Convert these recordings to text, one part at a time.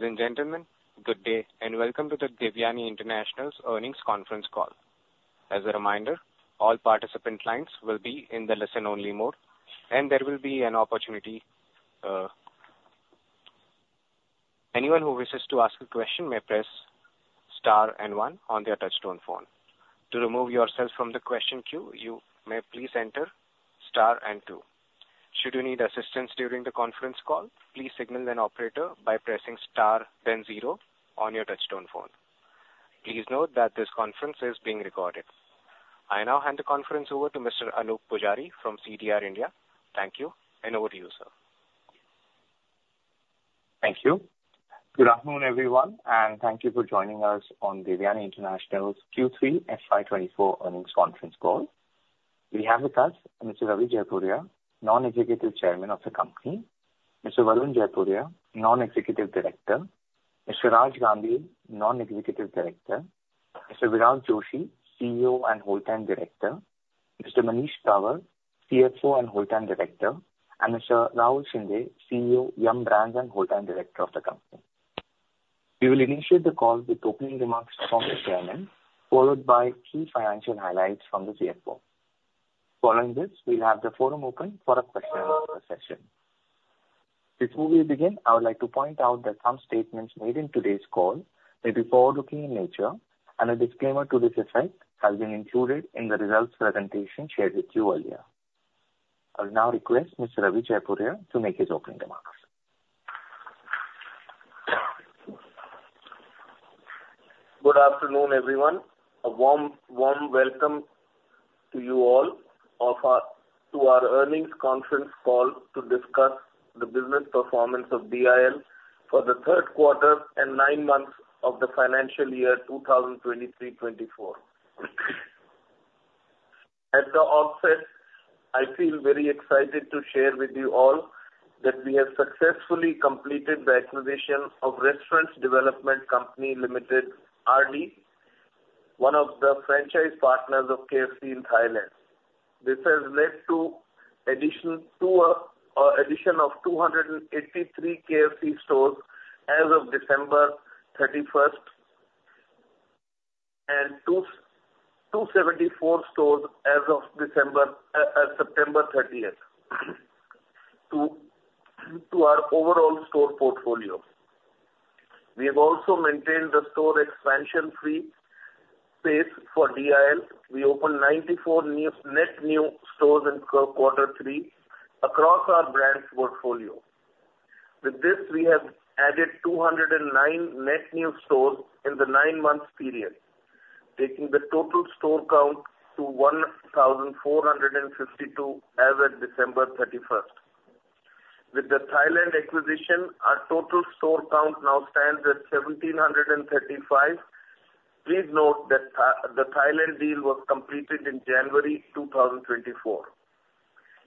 Ladies and gentlemen, good day, and welcome to the Devyani International's Earnings Conference Call. As a reminder, all participant lines will be in the listen-only mode, and there will be an opportunity, anyone who wishes to ask a question may press star and one on their touchtone phone. To remove yourself from the question queue, you may please enter star and two. Should you need assistance during the conference call, please signal an operator by pressing star, then zero on their touchtone phone. Please note that this conference is being recorded. I now hand the conference over to Mr. Anup Pujari from CDR India. Thank you, and over to you, sir. Thank you. Good afternoon, everyone, and thank you for joining us on Devyani International's Q3 FY 2024 Earnings Conference Call. We have with us Mr. Ravi Jaipuria, Non-Executive Chairman of the company, Mr. Varun Jaipuria, Non-Executive Director, Mr. Raj Gandhi, Non-Executive Director, Mr. Virag Joshi, CEO and Whole Time Director, Mr. Manish Dawar, CFO and Whole Time Director, and Mr. Rahul Shinde, CEO, Yum Brands and Whole Time Director of the company. We will initiate the call with opening remarks from the chairman, followed by key financial highlights from the CFO. Following this, we'll have the forum open for a question and answer session. Before we begin, I would like to point out that some statements made in today's call may be forward-looking in nature, and a disclaimer to this effect has been included in the results presentation shared with you earlier. I'll now request Mr. Ravi Jaipuria to make his opening remarks. Good afternoon, everyone. A warm, warm welcome to you all to our earnings conference call to discuss the business performance of DIL for the third quarter and nine months of the Financial Year 2023-2024. At the onset, I feel very excited to share with you all that we have successfully completed the acquisition of Restaurant Development Company Limited, RD, one of the franchise partners of KFC in Thailand. This has led to addition of 283 KFC stores as of December 31st, and 274 stores as of September 30th, to our overall store portfolio. We have also maintained the store expansion free pace for DIL. We opened 94 net new stores in quarter three across our brands portfolio. With this, we have added 209 net new stores in the nine-month period, taking the total store count to 1,452 as of December 31st. With the Thailand acquisition, our total store count now stands at 1,735. Please note that, the Thailand deal was completed in January 2024.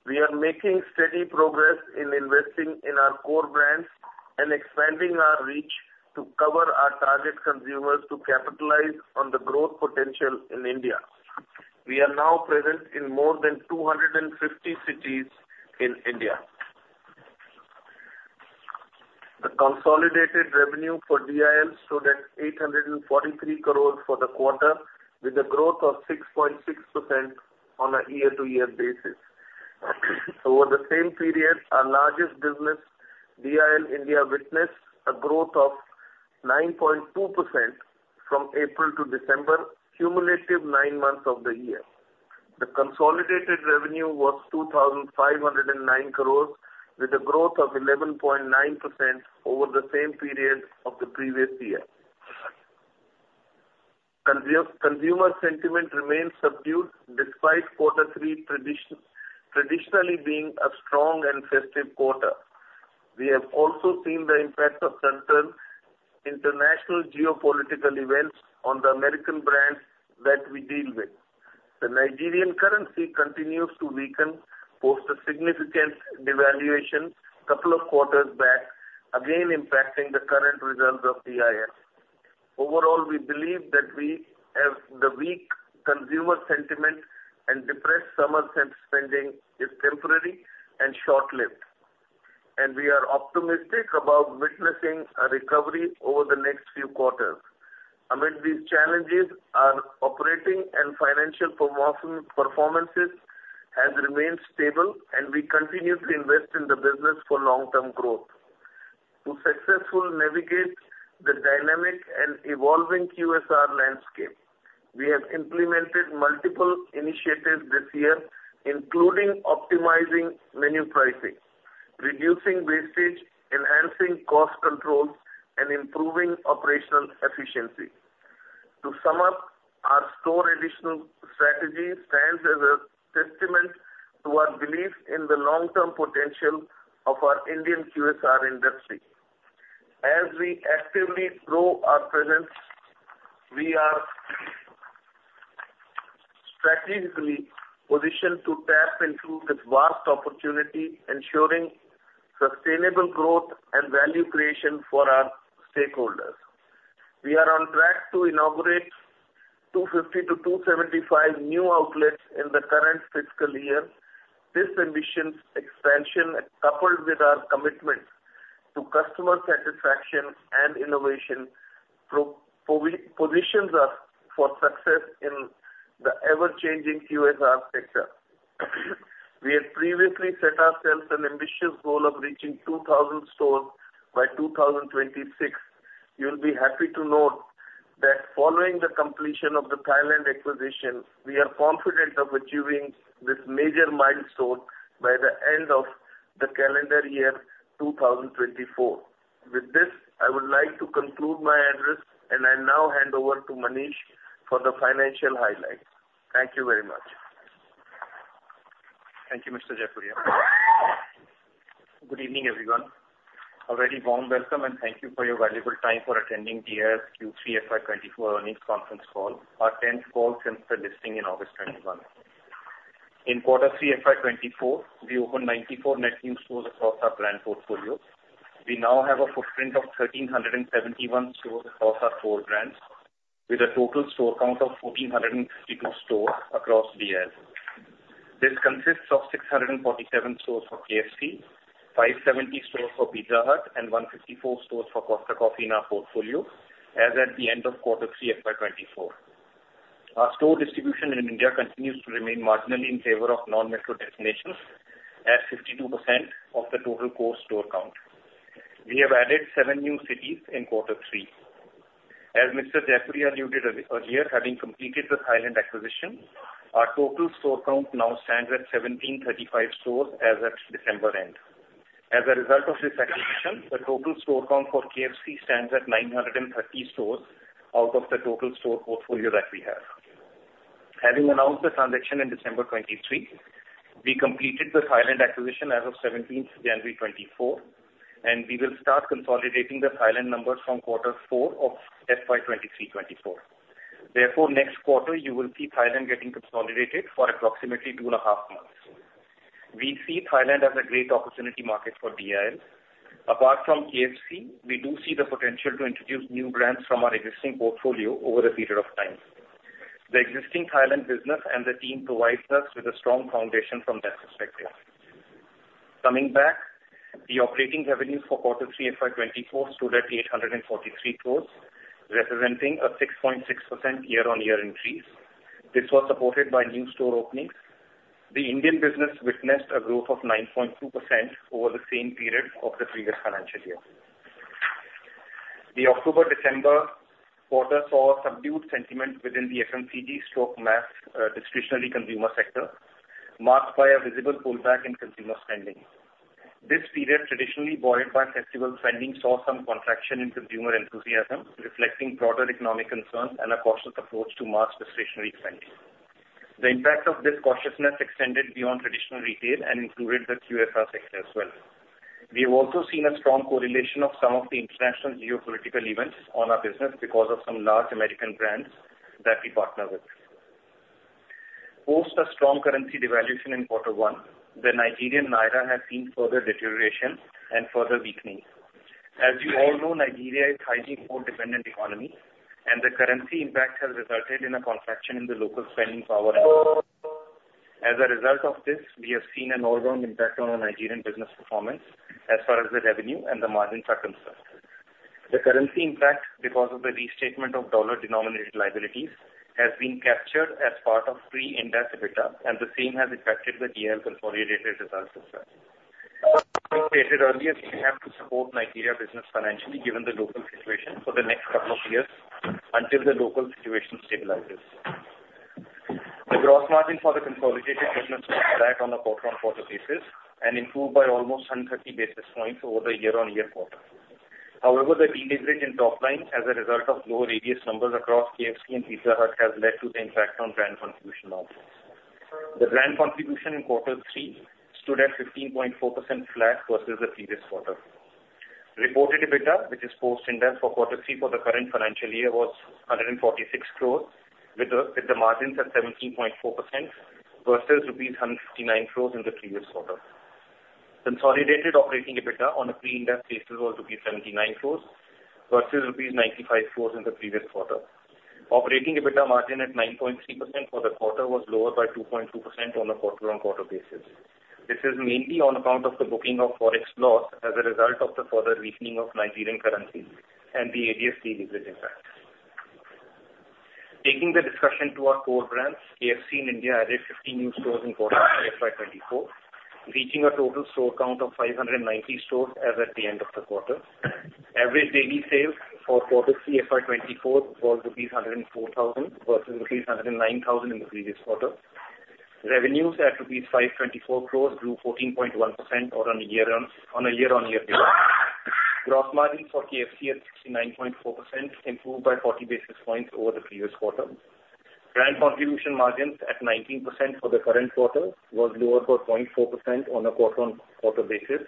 We are making steady progress in investing in our core brands and expanding our reach to cover our target consumers to capitalize on the growth potential in India. We are now present in more than 250 cities in India. The consolidated revenue for DIL stood at 843 crores for the quarter, with a growth of 6.6% on a year-to-year basis. Over the same period, our largest business, DIL India, witnessed a growth of 9.2% from April to December, cumulative nine months of the year. The consolidated revenue was 2,509 crores, with a growth of 11.9% over the same period of the previous year. Consumer sentiment remains subdued despite quarter three traditionally being a strong and festive quarter. We have also seen the impact of certain international geopolitical events on the American brands that we deal with. The Nigerian currency continues to weaken post a significant devaluation couple of quarters back, again impacting the current results of DIL. Overall, we believe that we have the weak consumer sentiment and depressed consumption spending is temporary and short-lived, and we are optimistic about witnessing a recovery over the next few quarters. Amid these challenges, our operating and financial performance has remained stable, and we continue to invest in the business for long-term growth. To successfully navigate the dynamic and evolving QSR landscape, we have implemented multiple initiatives this year, including optimizing menu pricing, reducing wastage, enhancing cost controls, and improving operational efficiency. To sum up, our store addition strategy stands as a testament to our belief in the long-term potential of our Indian QSR industry. As we actively grow our presence, we are strategically positioned to tap into this vast opportunity, ensuring sustainable growth and value creation for our stakeholders. We are on track to inaugurate 250 to 275 new outlets in the current fiscal year. This ambitious expansion, coupled with our commitment to customer satisfaction and innovation, positions us for success in the ever-changing QSR sector. We had previously set ourselves an ambitious goal of reaching 2,000 stores by 2026. You'll be happy to note that following the completion of the Thailand acquisition, we are confident of achieving this major milestone by the end of the calendar year 2024. With this, I would like to conclude my address, and I now hand over to Manish for the financial highlights. Thank you very much. Thank you, Mr. Jaipuria. Good evening, everyone. A very warm welcome, and thank you for your valuable time for attending DIL Q3 FY 2024 Earnings Conference Call, our tenth call since the listing in August 2021. In quarter three FY 2024, we opened 94 net new stores across our brand portfolio. We now have a footprint of 1,371 stores across our four brands, with a total store count of 1,452 stores across DIL. This consists of 647 stores for KFC, 570 stores for Pizza Hut, and 154 stores for Costa Coffee in our portfolio, as at the end of quarter three of FY 2024. Our store distribution in India continues to remain marginally in favor of non-metro destinations, at 52% of the total core store count. We have added seven new cities in quarter three. As Mr. Jaipuria noted earlier, having completed the Thailand acquisition, our total store count now stands at 1,735 stores as at December end. As a result of this acquisition, the total store count for KFC stands at 930 stores out of the total store portfolio that we have. Having announced the transaction in December 2023, we completed the Thailand acquisition as of 17th January 2024, and we will start consolidating the Thailand numbers from quarter four of FY 2023-24. Therefore, next quarter you will see Thailand getting consolidated for approximately two and a half months. We see Thailand as a great opportunity market for DIL. Apart from KFC, we do see the potential to introduce new brands from our existing portfolio over a period of time. The existing Thailand business and the team provides us with a strong foundation from that perspective. Coming back, the operating revenues for quarter three FY 2024 stood at 843 crores, representing a 6.6% year-on-year increase. This was supported by new store openings. The Indian business witnessed a growth of 9.2% over the same period of the previous financial year. The October-December quarter saw a subdued sentiment within the FMCG/mass discretionary consumer sector, marked by a visible pullback in consumer spending. This period, traditionally buoyed by festival spending, saw some contraction in consumer enthusiasm, reflecting broader economic concerns and a cautious approach to mass discretionary spending. The impact of this cautiousness extended beyond traditional retail and included the QSR sector as well. We have also seen a strong correlation of some of the international geopolitical events on our business because of some large American brands that we partner with. Post a strong currency devaluation in quarter one, the Nigerian Naira has seen further deterioration and further weakening. As you all know, Nigeria is a highly import-dependent economy, and the currency impact has resulted in a contraction in the local spending power. As a result of this, we have seen an all-round impact on our Nigerian business performance as far as the revenue and the margin circumstances. The currency impact because of the restatement of dollar-denominated liabilities has been captured as part of Pre-Ind AS EBITDA, and the same has affected the DIL consolidated results as well. Stated earlier, we have to support the Nigerian business financially, given the local situation, for the next couple of years until the local situation stabilizes. The gross margin for the consolidated business was flat on a quarter-on-quarter basis and improved by almost 130 basis points over the year-on-year quarter. However, the deleverage in top line, as a result of lower ADS numbers across KFC and Pizza Hut, has led to the impact on brand contribution margins. The brand contribution in quarter three stood at 15.4% flat versus the previous quarter. Reported EBITDA, which is post-Ind AS for quarter three for the current financial year, was 146 crores, with the margins at 17.4% versus rupees 159 crores in the previous quarter. Consolidated operating EBITDA on a pre-Ind AS basis was rupees 79 crores versus rupees 95 crores in the previous quarter. Operating EBITDA margin at 9.3% for the quarter was lower by 2.2% on a quarter-on-quarter basis. This is mainly on account of the booking of Forex loss as a result of the further weakening of Nigerian currency and the ADS deleverage impact. Taking the discussion to our core brands, KFC in India added 50 new stores in quarter FY 2024, reaching a total store count of 590 stores as at the end of the quarter. Average daily sales for quarter three FY 2024 was rupees 104,000 versus rupees 109,000 in the previous quarter. Revenues at rupees 524 crores grew 14.1% on a year-on-year basis. Gross margin for KFC at 69.4% improved by 40 basis points over the previous quarter. Brand contribution margins at 19% for the current quarter was lower by 0.4% on a quarter-on-quarter basis,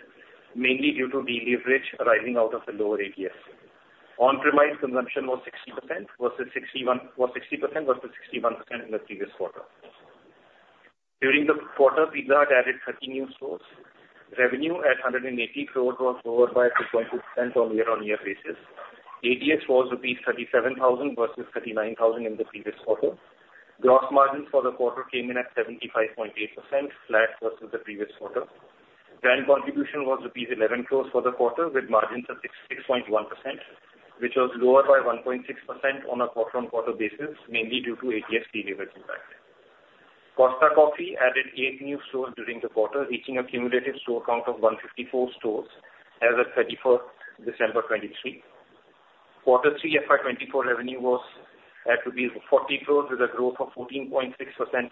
mainly due to deleverage arising out of the lower ADS. On-premise consumption was 60% versus 61% in the previous quarter. During the quarter, Pizza Hut added 30 new stores. Revenue at 180 crores was lower by 2.2% on year-on-year basis. ADS was rupees 37,000 versus 39,000 in the previous quarter. Gross margin for the quarter came in at 75.8%, flat versus the previous quarter. Brand contribution was 11 crores for the quarter, with margins of 66.1%, which was lower by 1.6% on a quarter-on-quarter basis, mainly due to ADS delivery impact. Costa Coffee added eight new stores during the quarter, reaching a cumulative store count of 154 stores as at 31st December, 2023. Quarter three FY 2024 revenue was at 40 crores, with a growth of 14.6%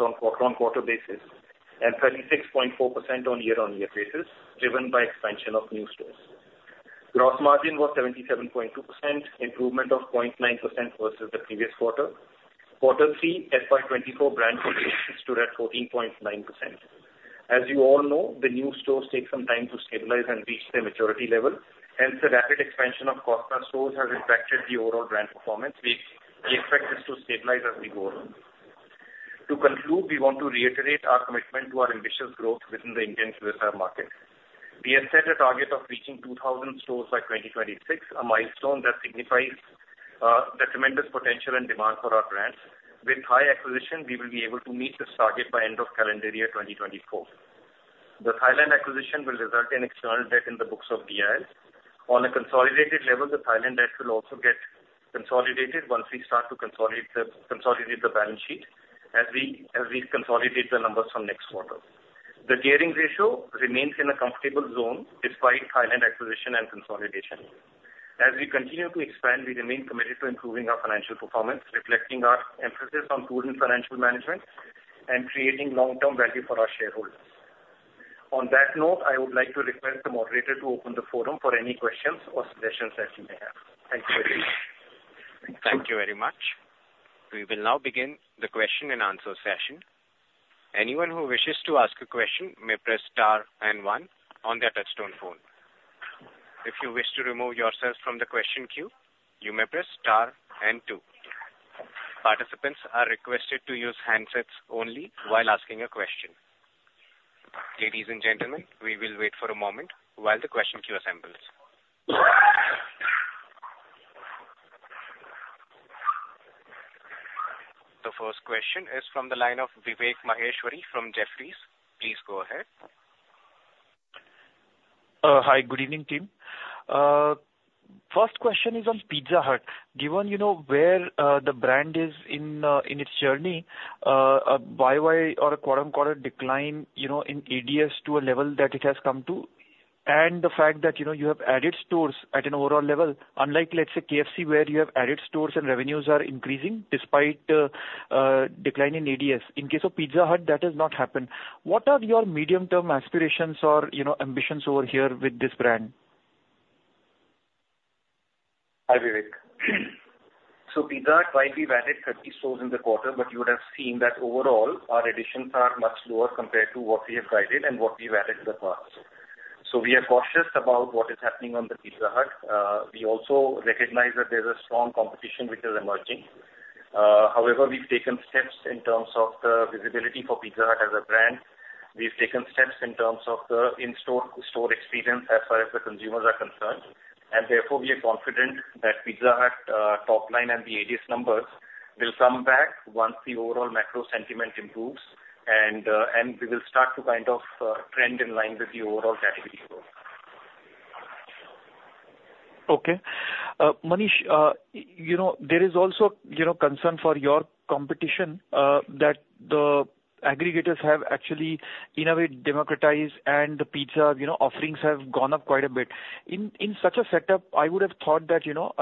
on quarter-on-quarter basis, and 36.4% on year-on-year basis, driven by expansion of new stores. Gross margin was 77.2%, improvement of 0.9% versus the previous quarter. Quarter three, FY 2024 brand contribution stood at 14.9%. As you all know, the new stores take some time to stabilize and reach their maturity level, hence, the rapid expansion of Costa stores has impacted the overall brand performance. We expect this to stabilize as we go on. To conclude, we want to reiterate our commitment to our ambitious growth within the Indian quick-serve market. We have set a target of reaching 2,000 stores by 2026, a milestone that signifies the tremendous potential and demand for our brands. With high acquisition, we will be able to meet this target by end of calendar year 2024. The Thailand acquisition will result in external debt in the books of DIL. On a consolidated level, the Thailand debt will also get consolidated once we start to consolidate the balance sheet, as we consolidate the numbers from next quarter. The gearing ratio remains in a comfortable zone despite Thailand acquisition and consolidation. As we continue to expand, we remain committed to improving our financial performance, reflecting our emphasis on prudent financial management and creating long-term value for our shareholders. On that note, I would like to request the moderator to open the forum for any questions or suggestions that you may have. Thank you. Thank you very much. We will now begin the question and answer session. Anyone who wishes to ask a question may press star and one on their touchtone phone. If you wish to remove yourself from the question queue, you may press star and two. Participants are requested to use handsets only while asking a question. Ladies and gentlemen, we will wait for a moment while the question queue assembles. The first question is from the line of Vivek Maheshwari from Jefferies. Please go ahead. Hi, good evening, team. First question is on Pizza Hut. Given, you know, where the brand is in its journey, why or a "decline," you know, in ADS to a level that it has come to? And the fact that, you know, you have added stores at an overall level, unlike, let's say, KFC, where you have added stores and revenues are increasing despite decline in ADS. In case of Pizza Hut, that has not happened. What are your medium-term aspirations or, you know, ambitions over here with this brand? Hi, Vivek. So Pizza Hut, while we've added 30 stores in the quarter, but you would have seen that overall our additions are much lower compared to what we have guided and what we've added in the past. So we are cautious about what is happening on the Pizza Hut. We also recognize that there's a strong competition which is emerging. However, we've taken steps in terms of the visibility for Pizza Hut as a brand. We've taken steps in terms of the in-store, store experience as far as the consumers are concerned, and therefore, we are confident that Pizza Hut, top line and the ADS numbers will come back once the overall macro sentiment improves, and we will start to kind of trend in line with the overall category growth. Okay. Manish, you know, there is also, you know, concern for your competition that the aggregators have actually, in a way, democratized and the pizza, you know, offerings have gone up quite a bit. In such a setup, I would have thought that, you know,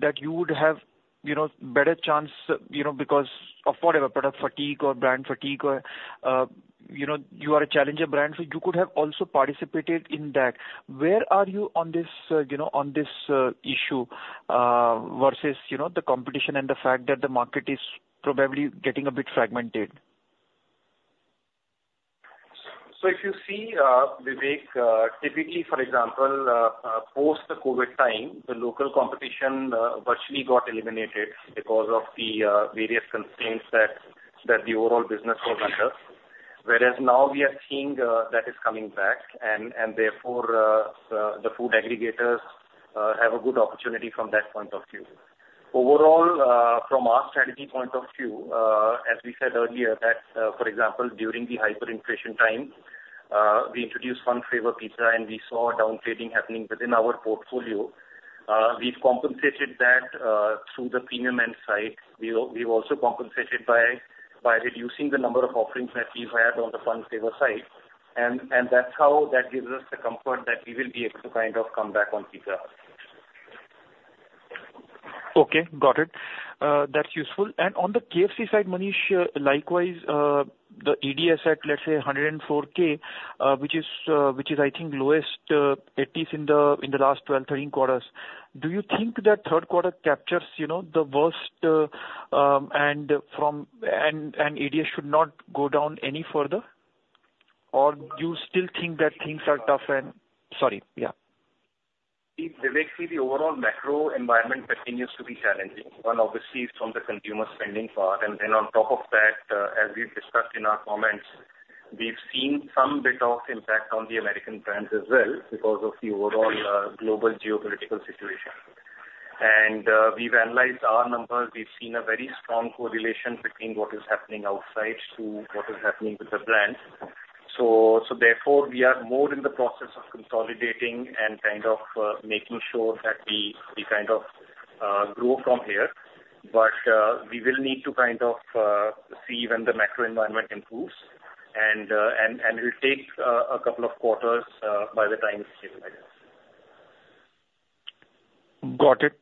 that you would have, you know, better chance, you know, because of whatever, product fatigue or brand fatigue or, you know, you are a challenger brand, so you could have also participated in that. Where are you on this, you know, on this issue, versus, you know, the competition and the fact that the market is probably getting a bit fragmented? So if you see, Vivek, typically, for example, post the COVID time, the local competition virtually got eliminated because of the various constraints that the overall business was under. Whereas now we are seeing that is coming back, and therefore the food aggregators have a good opportunity from that point of view. Overall, from our strategy point of view, as we said earlier, that for example, during the hyperinflation time, we introduced Fun Flavor Pizza, and we saw down trading happening within our portfolio. We have compensated that through the premium end side. We've also compensated by reducing the number of offerings that we've had on the Fun Flavor side, and that's how that gives us the comfort that we will be able to kind of come back on Pizza Hut. Okay, got it. That's useful. And on the KFC side, Manish, likewise, the ADS at, let's say, 104K, which is, which is, I think, lowest, at least in the last 12, 13 quarters. Do you think that third quarter captures, you know, the worst, and ADS should not go down any further? Or do you still think that things are tough and, sorry, yeah. See, Vivek, the overall macro environment continues to be challenging. One, obviously, is from the consumer spending part, and then on top of that, as we've discussed in our comments, we've seen some bit of impact on the American brands as well because of the overall, global geopolitical situation. And, we've analyzed our numbers, we've seen a very strong correlation between what is happening outside to what is happening with the brand. So therefore, we are more in the process of consolidating and kind of making sure that we kind of grow from here. But, we will need to kind of see when the macro environment improves, and it'll take a couple of quarters by the time it stabilizes. Got it.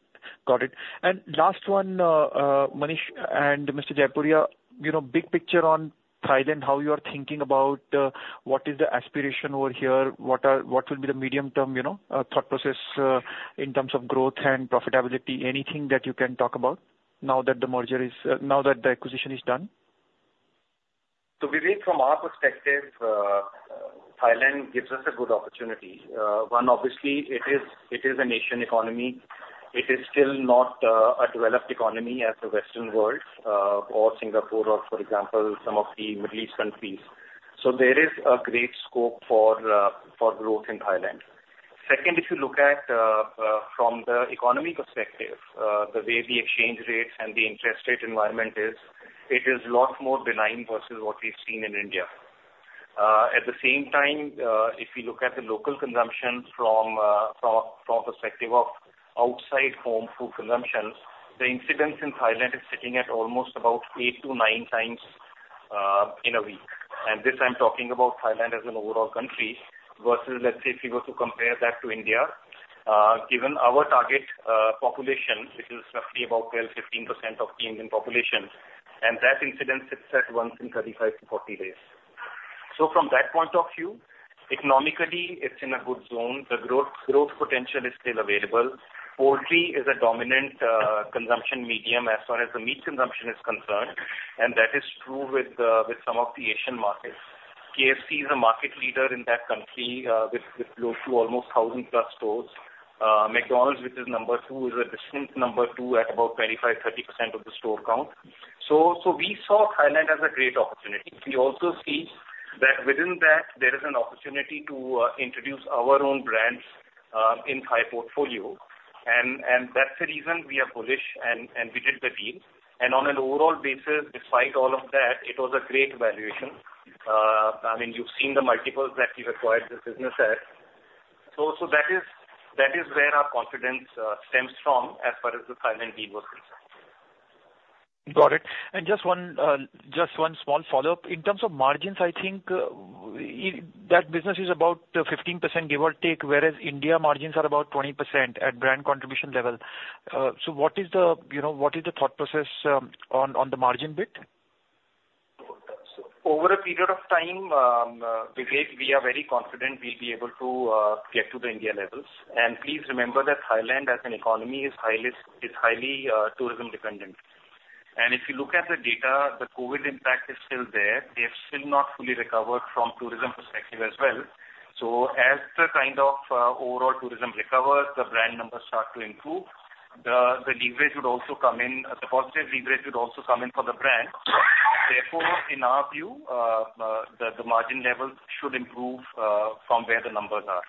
Got it. And last one, Manish and Mr. Jaipuria, you know, big picture on Thailand, how you are thinking about what is the aspiration over here? What will be the medium-term, you know, thought process in terms of growth and profitability? Anything that you can talk about now that the merger is, now that the acquisition is done? So Vivek, from our perspective, Thailand gives us a good opportunity. One, obviously, it is an Asian economy. It is still not a developed economy as the Western world or Singapore, or for example, some of the Middle East countries. So there is a great scope for growth in Thailand. Second, if you look at from the economy perspective, the way the exchange rates and the interest rate environment is, it is lot more benign versus what we've seen in India. At the same time, if you look at the local consumption from the perspective of outside home food consumption, the incidence in Thailand is sitting at almost about 8x to 9x in a week. This, I'm talking about Thailand as an overall country versus, let's say, if we were to compare that to India, given our target population, which is roughly about 12%-15% of the Indian population, and that incidence sits at once in 35 days to 40 days. So from that point of view, economically, it's in a good zone. The growth potential is still available. Poultry is a dominant consumption medium as far as the meat consumption is concerned, and that is true with some of the Asian markets. KFC is a market leader in that country, with close to almost 1,000+ stores. McDonald's, which is number two, is a distinct number two at about 25%-30% of the store count. So we saw Thailand as a great opportunity. We also see that within that, there is an opportunity to introduce our own brands in Thai portfolio. And that's the reason we are bullish and we did the deal. And on an overall basis, despite all of that, it was a great valuation. I mean, you've seen the multiples that we've acquired this business at. So that is where our confidence stems from as far as the Thailand deal was concerned. Got it. And just one small follow-up. In terms of margins, I think that business is about 15%, give or take, whereas India margins are about 20% at Brand Contribution level. So what is the, you know, what is the thought process on the margin bit? Over a period of time, Vivek, we are very confident we'll be able to get to the India levels. And please remember that Thailand, as an economy, is highly tourism dependent. And if you look at the data, the COVID impact is still there. They have still not fully recovered from tourism perspective as well. So as the kind of overall tourism recovers, the brand numbers start to improve, the leverage would also come in, the positive leverage would also come in for the brand. Therefore, in our view, the margin levels should improve from where the numbers are.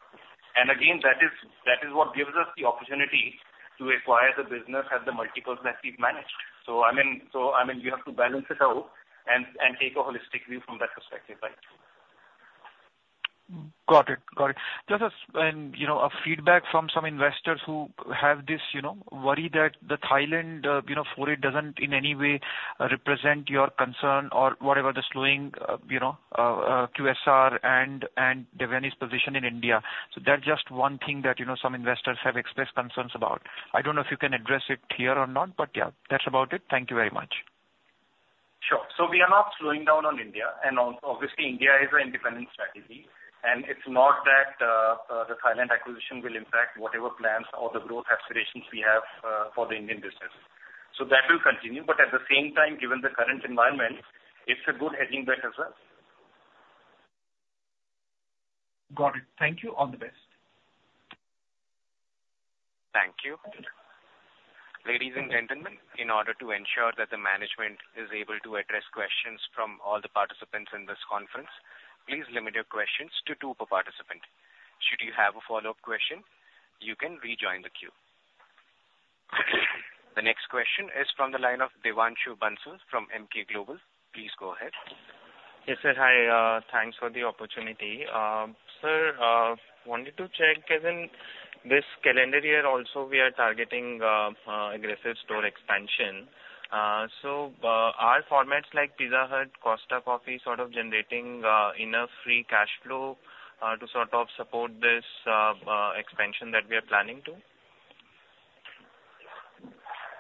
And again, that is what gives us the opportunity to acquire the business at the multiples that we've managed. So I mean, you have to balance it out and take a holistic view from that perspective, right? Got it. Got it. Just as, and you know, a feedback from some investors who have this, you know, worry that the Thailand foray doesn't in any way represent your concern or whatever the slowing QSR and Devyani's position in India. So that's just one thing that, you know, some investors have expressed concerns about. I don't know if you can address it here or not, but, yeah, that's about it. Thank you very much. Sure. So we are not slowing down on India, and obviously, India is an independent strategy, and it's not that, the Thailand acquisition will impact whatever plans or the growth aspirations we have, for the Indian business. So that will continue, but at the same time, given the current environment, it's a good hedging bet as well. Got it. Thank you. All the best. Thank you. Ladies and gentlemen, in order to ensure that the management is able to address questions from all the participants in this conference, please limit your questions to two per participant. Should you have a follow-up question, you can rejoin the queue. The next question is from the line of Devanshu Bansal from Emkay Global. Please go ahead. Yes, sir. Hi, thanks for the opportunity. Sir, I wanted to check as in this calendar year also, we are targeting aggressive store expansion. So, are formats like Pizza Hut, Costa Coffee, sort of generating enough free cash flow to sort of support this expansion that we are planning to?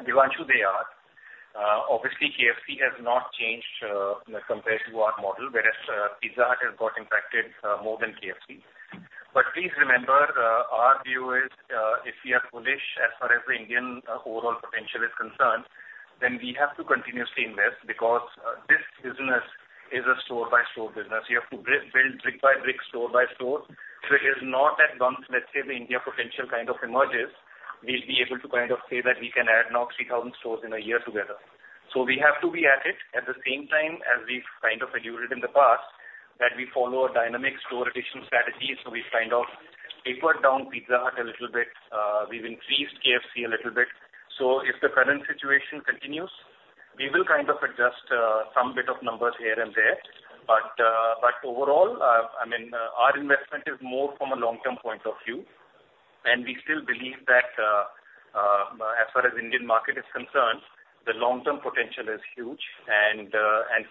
Devanshu, they are. Obviously, KFC has not changed the comparative model, whereas Pizza Hut has got impacted more than KFC. But please remember, our view is, if we are bullish as far as the Indian overall potential is concerned, then we have to continuously invest because this business is a store-by-store business. You have to build brick by brick, store by store. So it is not that once, let's say, the India potential kind of emerges, we'll be able to kind of say that we can add now 3,000 stores in a year together. So we have to be at it. At the same time, as we've kind of alluded in the past, that we follow a dynamic store addition strategy. So we've kind of tapered down Pizza Hut a little bit. We've increased KFC a little bit. So if the current situation continues, we will kind of adjust some bit of numbers here and there. But overall, I mean, our investment is more from a long-term point of view, and we still believe that as far as Indian market is concerned, the long-term potential is huge and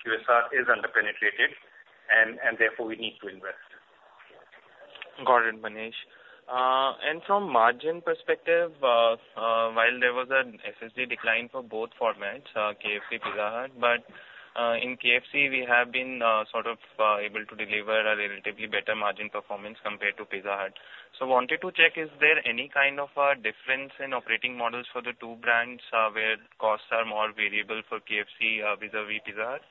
QSR is under-penetrated and therefore, we need to invest. Got it, Manish. And from margin perspective, while there was a SSSG decline for both formats, KFC, Pizza Hut, but in KFC, we have been sort of able to deliver a relatively better margin performance compared to Pizza Hut. So wanted to check, is there any kind of a difference in operating models for the two brands, where costs are more variable for KFC vis-à-vis Pizza Hut?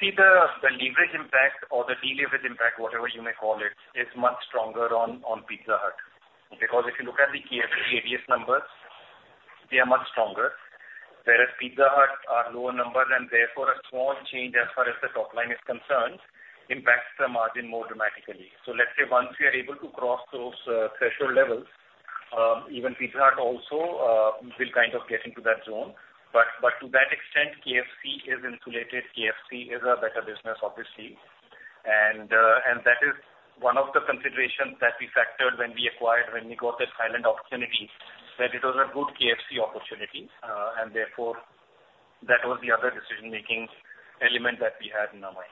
See, the leverage impact or the de-leverage impact, whatever you may call it, is much stronger on Pizza Hut. Because if you look at the KFC ADS numbers, they are much stronger, whereas Pizza Hut are lower numbers, and therefore a small change as far as the top line is concerned, impacts the margin more dramatically. So let's say once we are able to cross those threshold levels, even Pizza Hut also will kind of get into that zone. But to that extent, KFC is insulated. KFC is a better business, obviously, and that is one of the considerations that we factored when we got this Thailand opportunity, that it was a good KFC opportunity, and therefore, that was the other decision-making element that we had in our mind.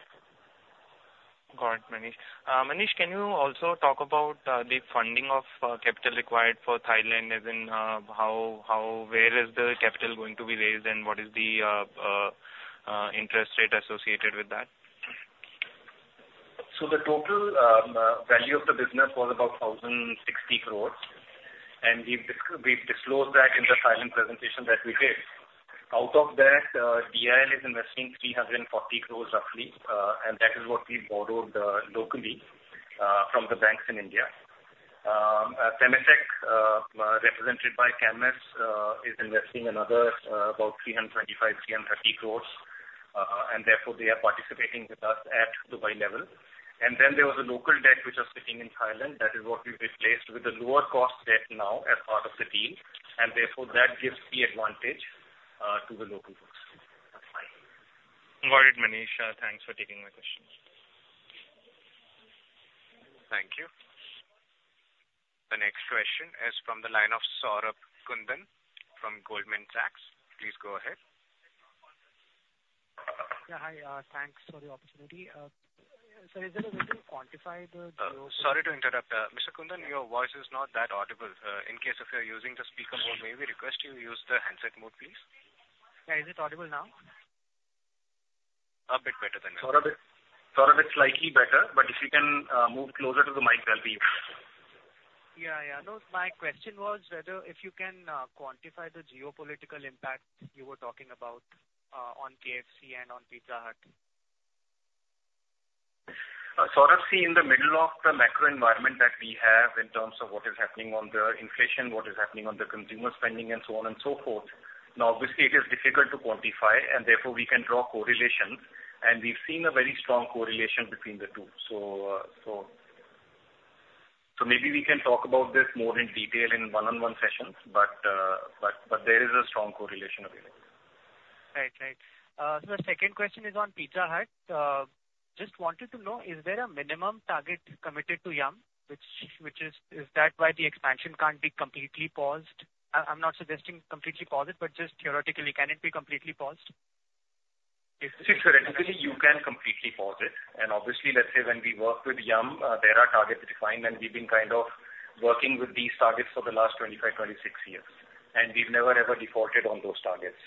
Got it, Manish. Manish, can you also talk about the funding of capital required for Thailand, as in, how, where is the capital going to be raised, and what is the interest rate associated with that? The total value of the business was about 1,060 crores, and we've disclosed that in the Thailand presentation that we did. Out of that, DIL is investing 340 crores, roughly, and that is what we borrowed locally from the banks in India. Temasek, represented by Camest, is investing another about 325 crores, 330 crores, and therefore, they are participating with us at Dubai level. And then there was a local debt which was sitting in Thailand. That is what we've replaced with a lower cost debt now as part of the deal, and therefore, that gives the advantage to the local folks. That's fine. Got it, Manish. Thanks for taking my question. Thank you. The next question is from the line of Saurabh Kundan from Goldman Sachs. Please go ahead. Yeah, hi, thanks for the opportunity. So is there a way to quantify the gross margin. Sorry to interrupt. Mr. Kundan, your voice is not that audible. In case if you're using the speaker mode, may we request you use the handset mode, please? Yeah. Is it audible now? A bit better, thank you. Saurabh, Saurabh, it's slightly better, but if you can move closer to the mic, that'll be fine. Yeah, yeah. No, my question was whether if you can quantify the geopolitical impact you were talking about on KFC and on Pizza Hut. Saurabh, see, in the middle of the macro environment that we have in terms of what is happening on the inflation, what is happening on the consumer spending and so on and so forth, now, obviously, it is difficult to quantify and therefore we can draw correlations, and we've seen a very strong correlation between the two. So, maybe we can talk about this more in detail in one-on-one sessions, but there is a strong correlation available. Right. Right. So the second question is on Pizza Hut. Just wanted to know, is there a minimum target committed to Yum! Which is, is that why the expansion can't be completely paused? I'm not suggesting completely pause it, but just theoretically, can it be completely paused? See, theoretically, you can completely pause it. And obviously, let's say when we work with Yum!, there are targets defined, and we've been kind of working with these targets for the last 25 years, 26 years, and we've never, ever defaulted on those targets.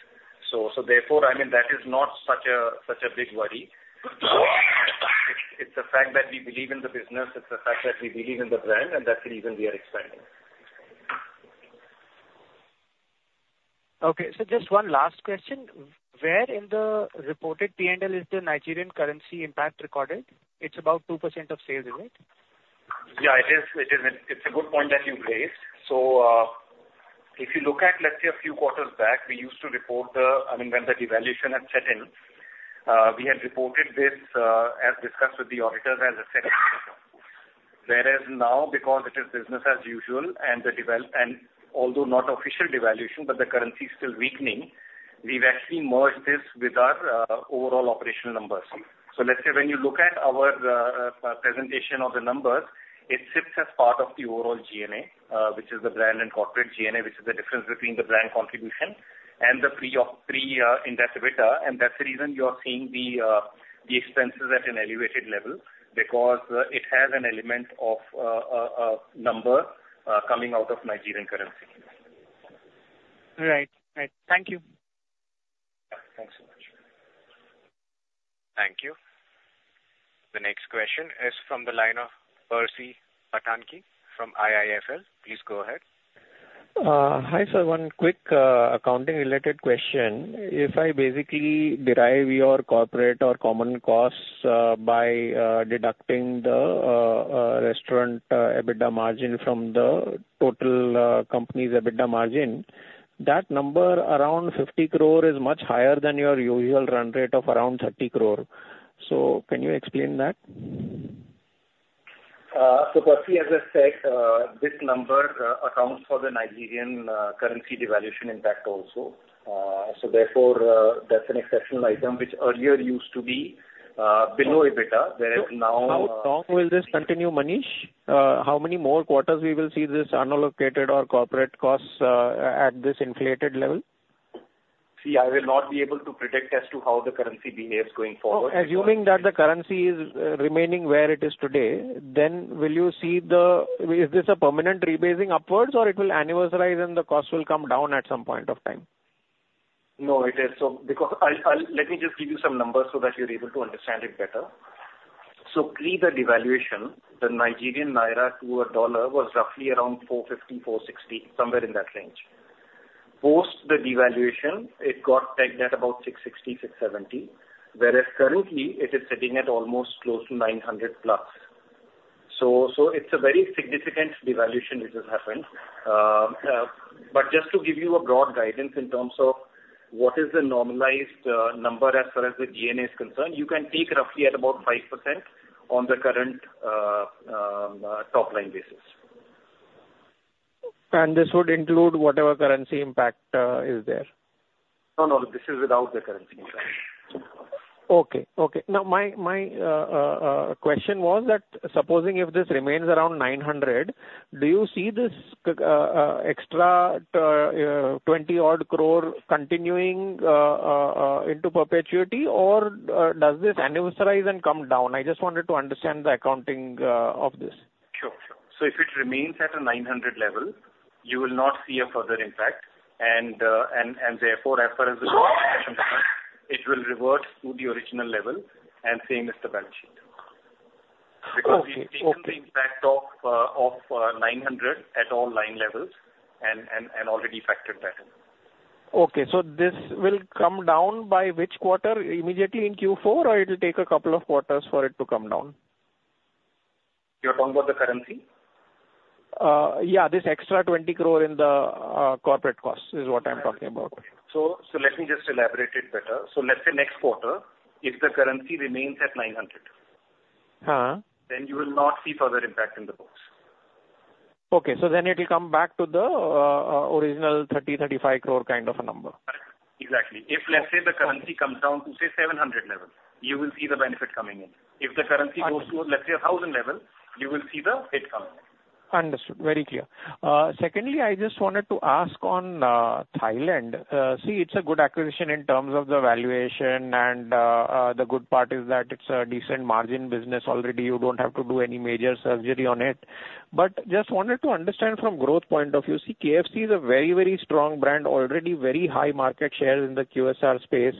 So, so therefore, I mean, that is not such a, such a big worry. It's, it's a fact that we believe in the business, it's a fact that we believe in the brand, and that's the reason we are expanding. Okay. So just one last question: Where in the reported P&L is the Nigerian currency impact recorded? It's about 2% of sales, is it? Yeah, it is, it is. It's a good point that you've raised. So, if you look at, let's say, a few quarters back, we used to report the, I mean, when the devaluation had set in, we had reported this, as discussed with the auditors as a set. Whereas now, because it is business as usual and although not official devaluation, but the currency is still weakening, we've actually merged this with our, overall operational numbers. So let's say when you look at our, presentation of the numbers, it sits as part of the overall G&A, which is the brand and corporate G&A, which is the difference between the brand contribution and the pre-op, pre, interest EBITDA. That's the reason you're seeing the expenses at an elevated level, because it has an element of a number coming out of Nigerian currency. Right. Right. Thank you. Thanks so much. Thank you. The next question is from the line of Percy Panthaki from IIFL. Please go ahead. Hi, sir. One quick accounting-related question. If I basically derive your corporate or common costs by deducting the restaurant EBITDA margin from the total company's EBITDA margin, that number around 50 crores is much higher than your usual run rate of around 30 crores. So can you explain that? So Percy, as I said, this number accounts for the Nigerian currency devaluation impact also. So therefore, that's an exceptional item, which earlier used to be below EBITDA, there is now. How long will this continue, Manish? How many more quarters we will see this unallocated or corporate costs at this inflated level? See, I will not be able to predict as to how the currency behaves going forward. Assuming that the currency is remaining where it is today, then will you see the, is this a permanent rebasing upwards, or it will annualize and the cost will come down at some point of time? No, it is. Let me just give you some numbers so that you're able to understand it better. So pre the devaluation, the Nigerian naira to a dollar was roughly around 450-460, somewhere in that range. Post the devaluation, it got pegged at about 660-670. Whereas currently, it is sitting at almost close to 900+. So, so it's a very significant devaluation which has happened. But just to give you a broad guidance in terms of what is the normalized number, as far as the EBITDA is concerned, you can take roughly at about 5% on the current top line basis. This would include whatever currency impact is there? No, no, this is without the currency impact. Okay. Okay. Now, my question was that supposing if this remains around 900 crores, do you see this extra 20-odd crores continuing into perpetuity, or does this annualize and come down? I just wanted to understand the accounting of this. Sure. So if it remains at a 900 level, you will not see a further impact, and therefore, as far as the NGN is concerned, it will revert to the original level and same as the balance sheet. Okay. Okay. Because we've taken the impact of 900 crores at all line levels and already factored that in. Okay, so this will come down by which quarter, immediately in Q4, or it will take a couple of quarters for it to come down? You're talking about the currency? Yeah, this extra 20 crores in the corporate costs is what I'm talking about. Let me just elaborate it better. Let's say next quarter, if the currency remains at 900then you will not see further impact in the books. Okay, so then it will come back to the original 30 crores, 35 crores kind of a number? Exactly. If, let's say, the currency comes down to, say, 700 level, you will see the benefit coming in. If the currency goes to, let's say, 1,000 level, you will see the hit coming in. Understood. Very clear. Secondly, I just wanted to ask on Thailand. See, it's a good acquisition in terms of the valuation, and the good part is that it's a decent margin business already. You don't have to do any major surgery on it. But just wanted to understand from growth point of view. See, KFC is a very, very strong brand, already very high market share in the QSR space.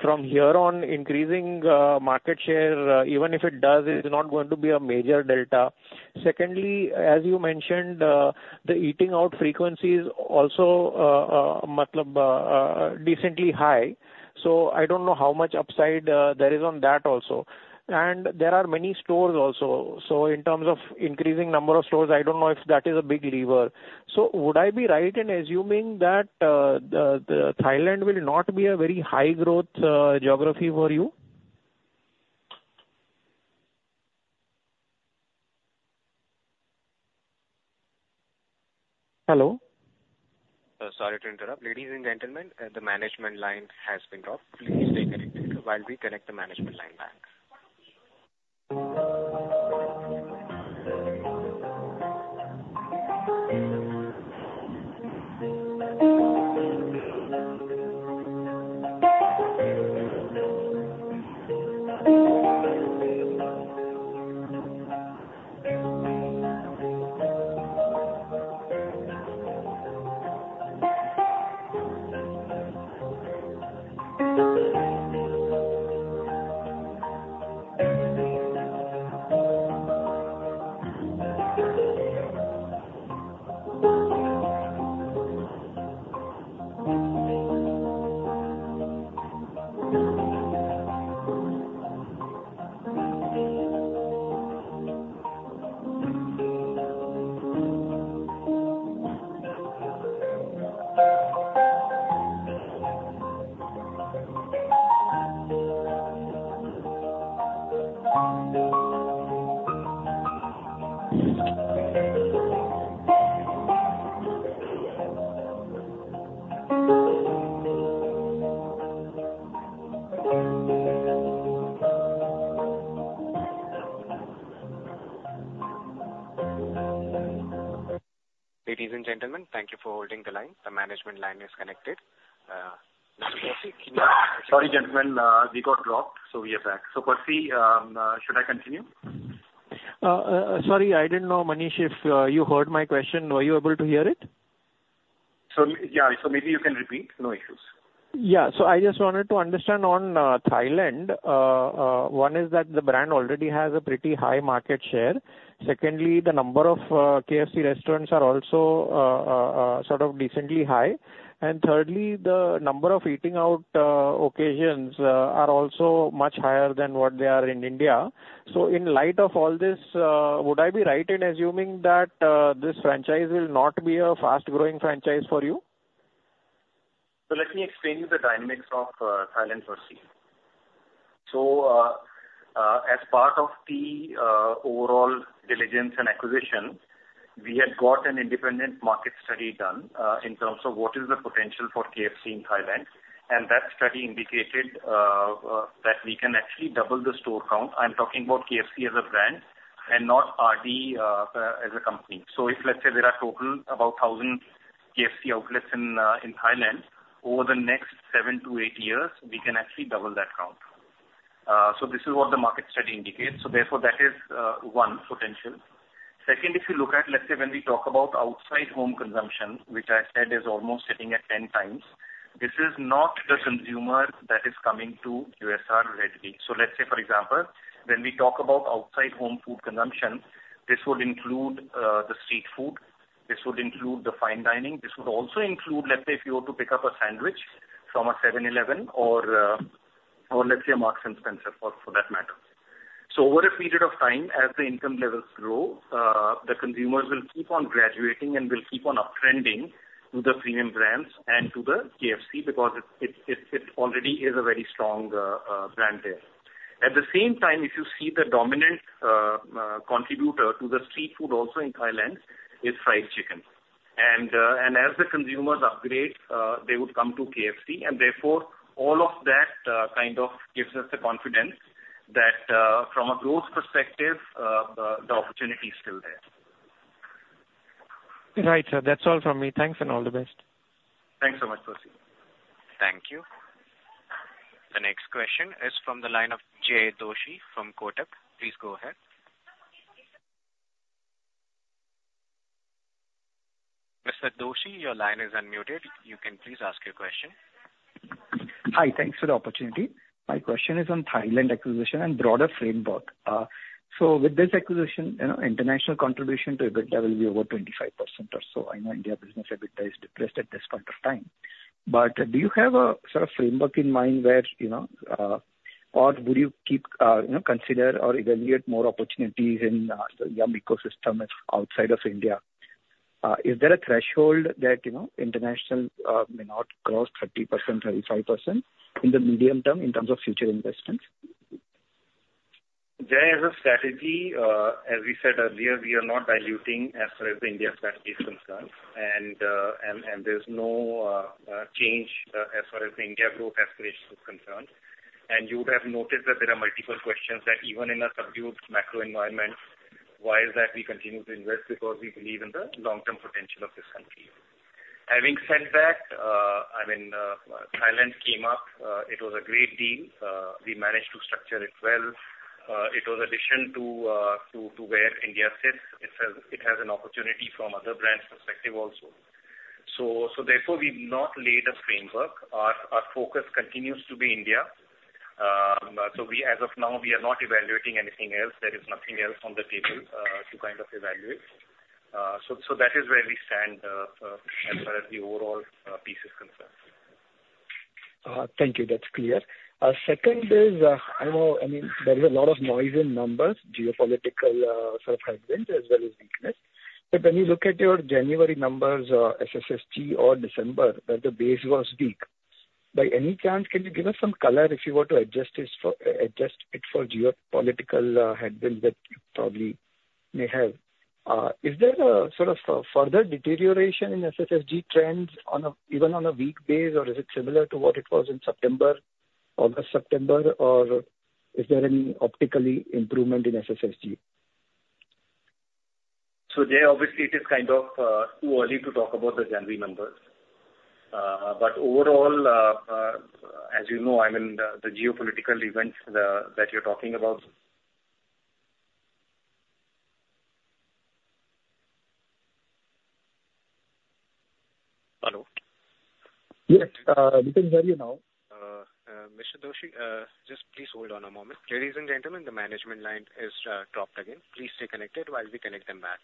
From here on, increasing market share, even if it does, is not going to be a major delta. Secondly, as you mentioned, the eating out frequency is also decently high, so I don't know how much upside there is on that also. And there are many stores also. So in terms of increasing number of stores, I don't know if that is a big lever. So would I be right in assuming that Thailand will not be a very high growth geography for you? Hello? Sorry to interrupt. Ladies and gentlemen, the management line has been dropped. Please stay connected while we connect the management line back. Ladies and gentlemen, thank you for holding the line. The management line is connected. Sorry, gentlemen, we got dropped, so we are back. So, Percy, should I continue? Sorry, I didn't know, Manish, if you heard my question. Were you able to hear it? So yeah, so maybe you can repeat, no issues. Yeah. So I just wanted to understand on Thailand. One is that the brand already has a pretty high market share. Secondly, the number of KFC restaurants are also sort of decently high. And thirdly, the number of eating out occasions are also much higher than what they are in India. So in light of all this, would I be right in assuming that this franchise will not be a fast-growing franchise for you? So let me explain you the dynamics of Thailand, Percy. So as part of the overall diligence and acquisition, we had got an independent market study done in terms of what is the potential for KFC in Thailand. And that study indicated that we can actually double the store count. I'm talking about KFC as a brand and not RD as a company. So if let's say there are total about 1,000 KFC outlets in Thailand, over the next 7 years to 8 years, we can actually double that count. So this is what the market study indicates. So therefore, that is one potential. Second, if you look at, let's say, when we talk about outside home consumption, which I said is almost sitting at 10 times, this is not the consumer that is coming to QSR or HD. So let's say, for example, when we talk about outside home food consumption, this would include the street food, this would include the fine dining. This would also include, let's say, if you were to pick up a sandwich from a 7-Eleven or let's say a Marks & Spencer, for that matter. So over a period of time, as the income levels grow, the consumers will keep on graduating and will keep on uptrending to the premium brands and to the KFC, because it already is a very strong brand there. At the same time, if you see the dominant, contributor to the street food also in Thailand is fried chicken. And as the consumers upgrade, they would come to KFC, and therefore, all of that, kind of gives us the confidence that, from a growth perspective, the opportunity is still there. Right, sir. That's all from me. Thanks, and all the best. Thanks so much, Percy. Thank you. The next question is from the line of Jay Doshi from Kotak. Please go ahead. Mr. Doshi, your line is unmuted. You can please ask your question. Hi, thanks for the opportunity. My question is on Thailand acquisition and broader framework. So with this acquisition, you know, international contribution to EBITDA will be over 25% or so. I know India business EBITDA is depressed at this point of time. But do you have a sort of framework in mind where, you know, or would you keep, you know, consider or evaluate more opportunities in, the YUM ecosystem outside of India? Is there a threshold that, you know, international, may not cross 30%, 35% in the medium term in terms of future investments? There is a strategy. As we said earlier, we are not diluting as far as the India strategy is concerned, and there's no change as far as the India growth aspiration is concerned. You would have noticed that there are multiple questions that even in a subdued macro environment, why is that we continue to invest? Because we believe in the long-term potential of this country. Having said that, I mean, Thailand came up. It was a great deal. We managed to structure it well. It was addition to where India sits. It has an opportunity from other brands perspective also. So therefore, we've not laid a framework. Our focus continues to be India. So we, as of now, we are not evaluating anything else. There is nothing else on the table to kind of evaluate. So that is where we stand as far as the overall piece is concerned. Thank you. That's clear. Second is, I know, I mean, there is a lot of noise in numbers, geopolitical sort of headwinds as well as weakness. But when you look at your January numbers, SSSG or December, that the base was weak. By any chance, can you give us some color if you were to adjust this for, adjust it for geopolitical headwinds that you probably may have? Is there a sort of a further deterioration in SSSG trends on a even on a weak base, or is it similar to what it was in September, August, September, or is there any optical improvement in SSSG? So Jay, obviously, it is kind of too early to talk about the January numbers. But overall, as you know, I mean, the geopolitical events that you're talking about. Hello? Yes, we can hear you now. Mr. Doshi, just please hold on a moment. Ladies and gentlemen, the management line is dropped again. Please stay connected while we connect them back.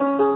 Ladies and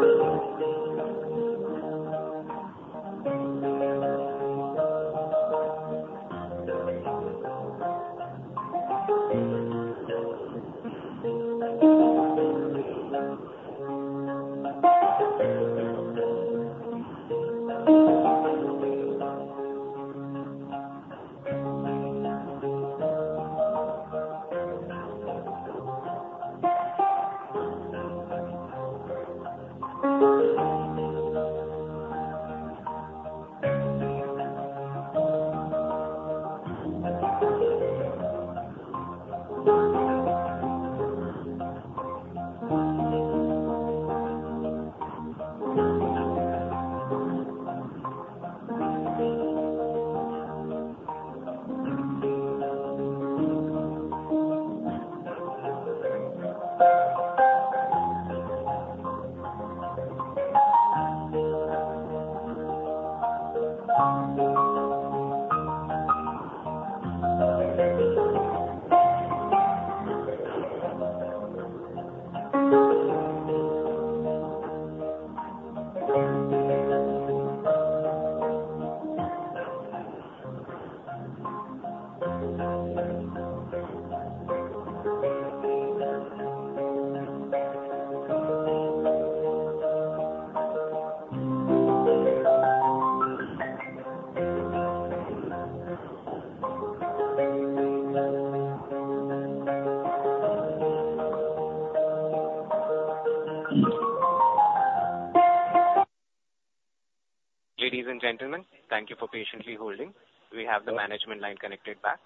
gentlemen, thank you for patiently holding. We have the management line connected back.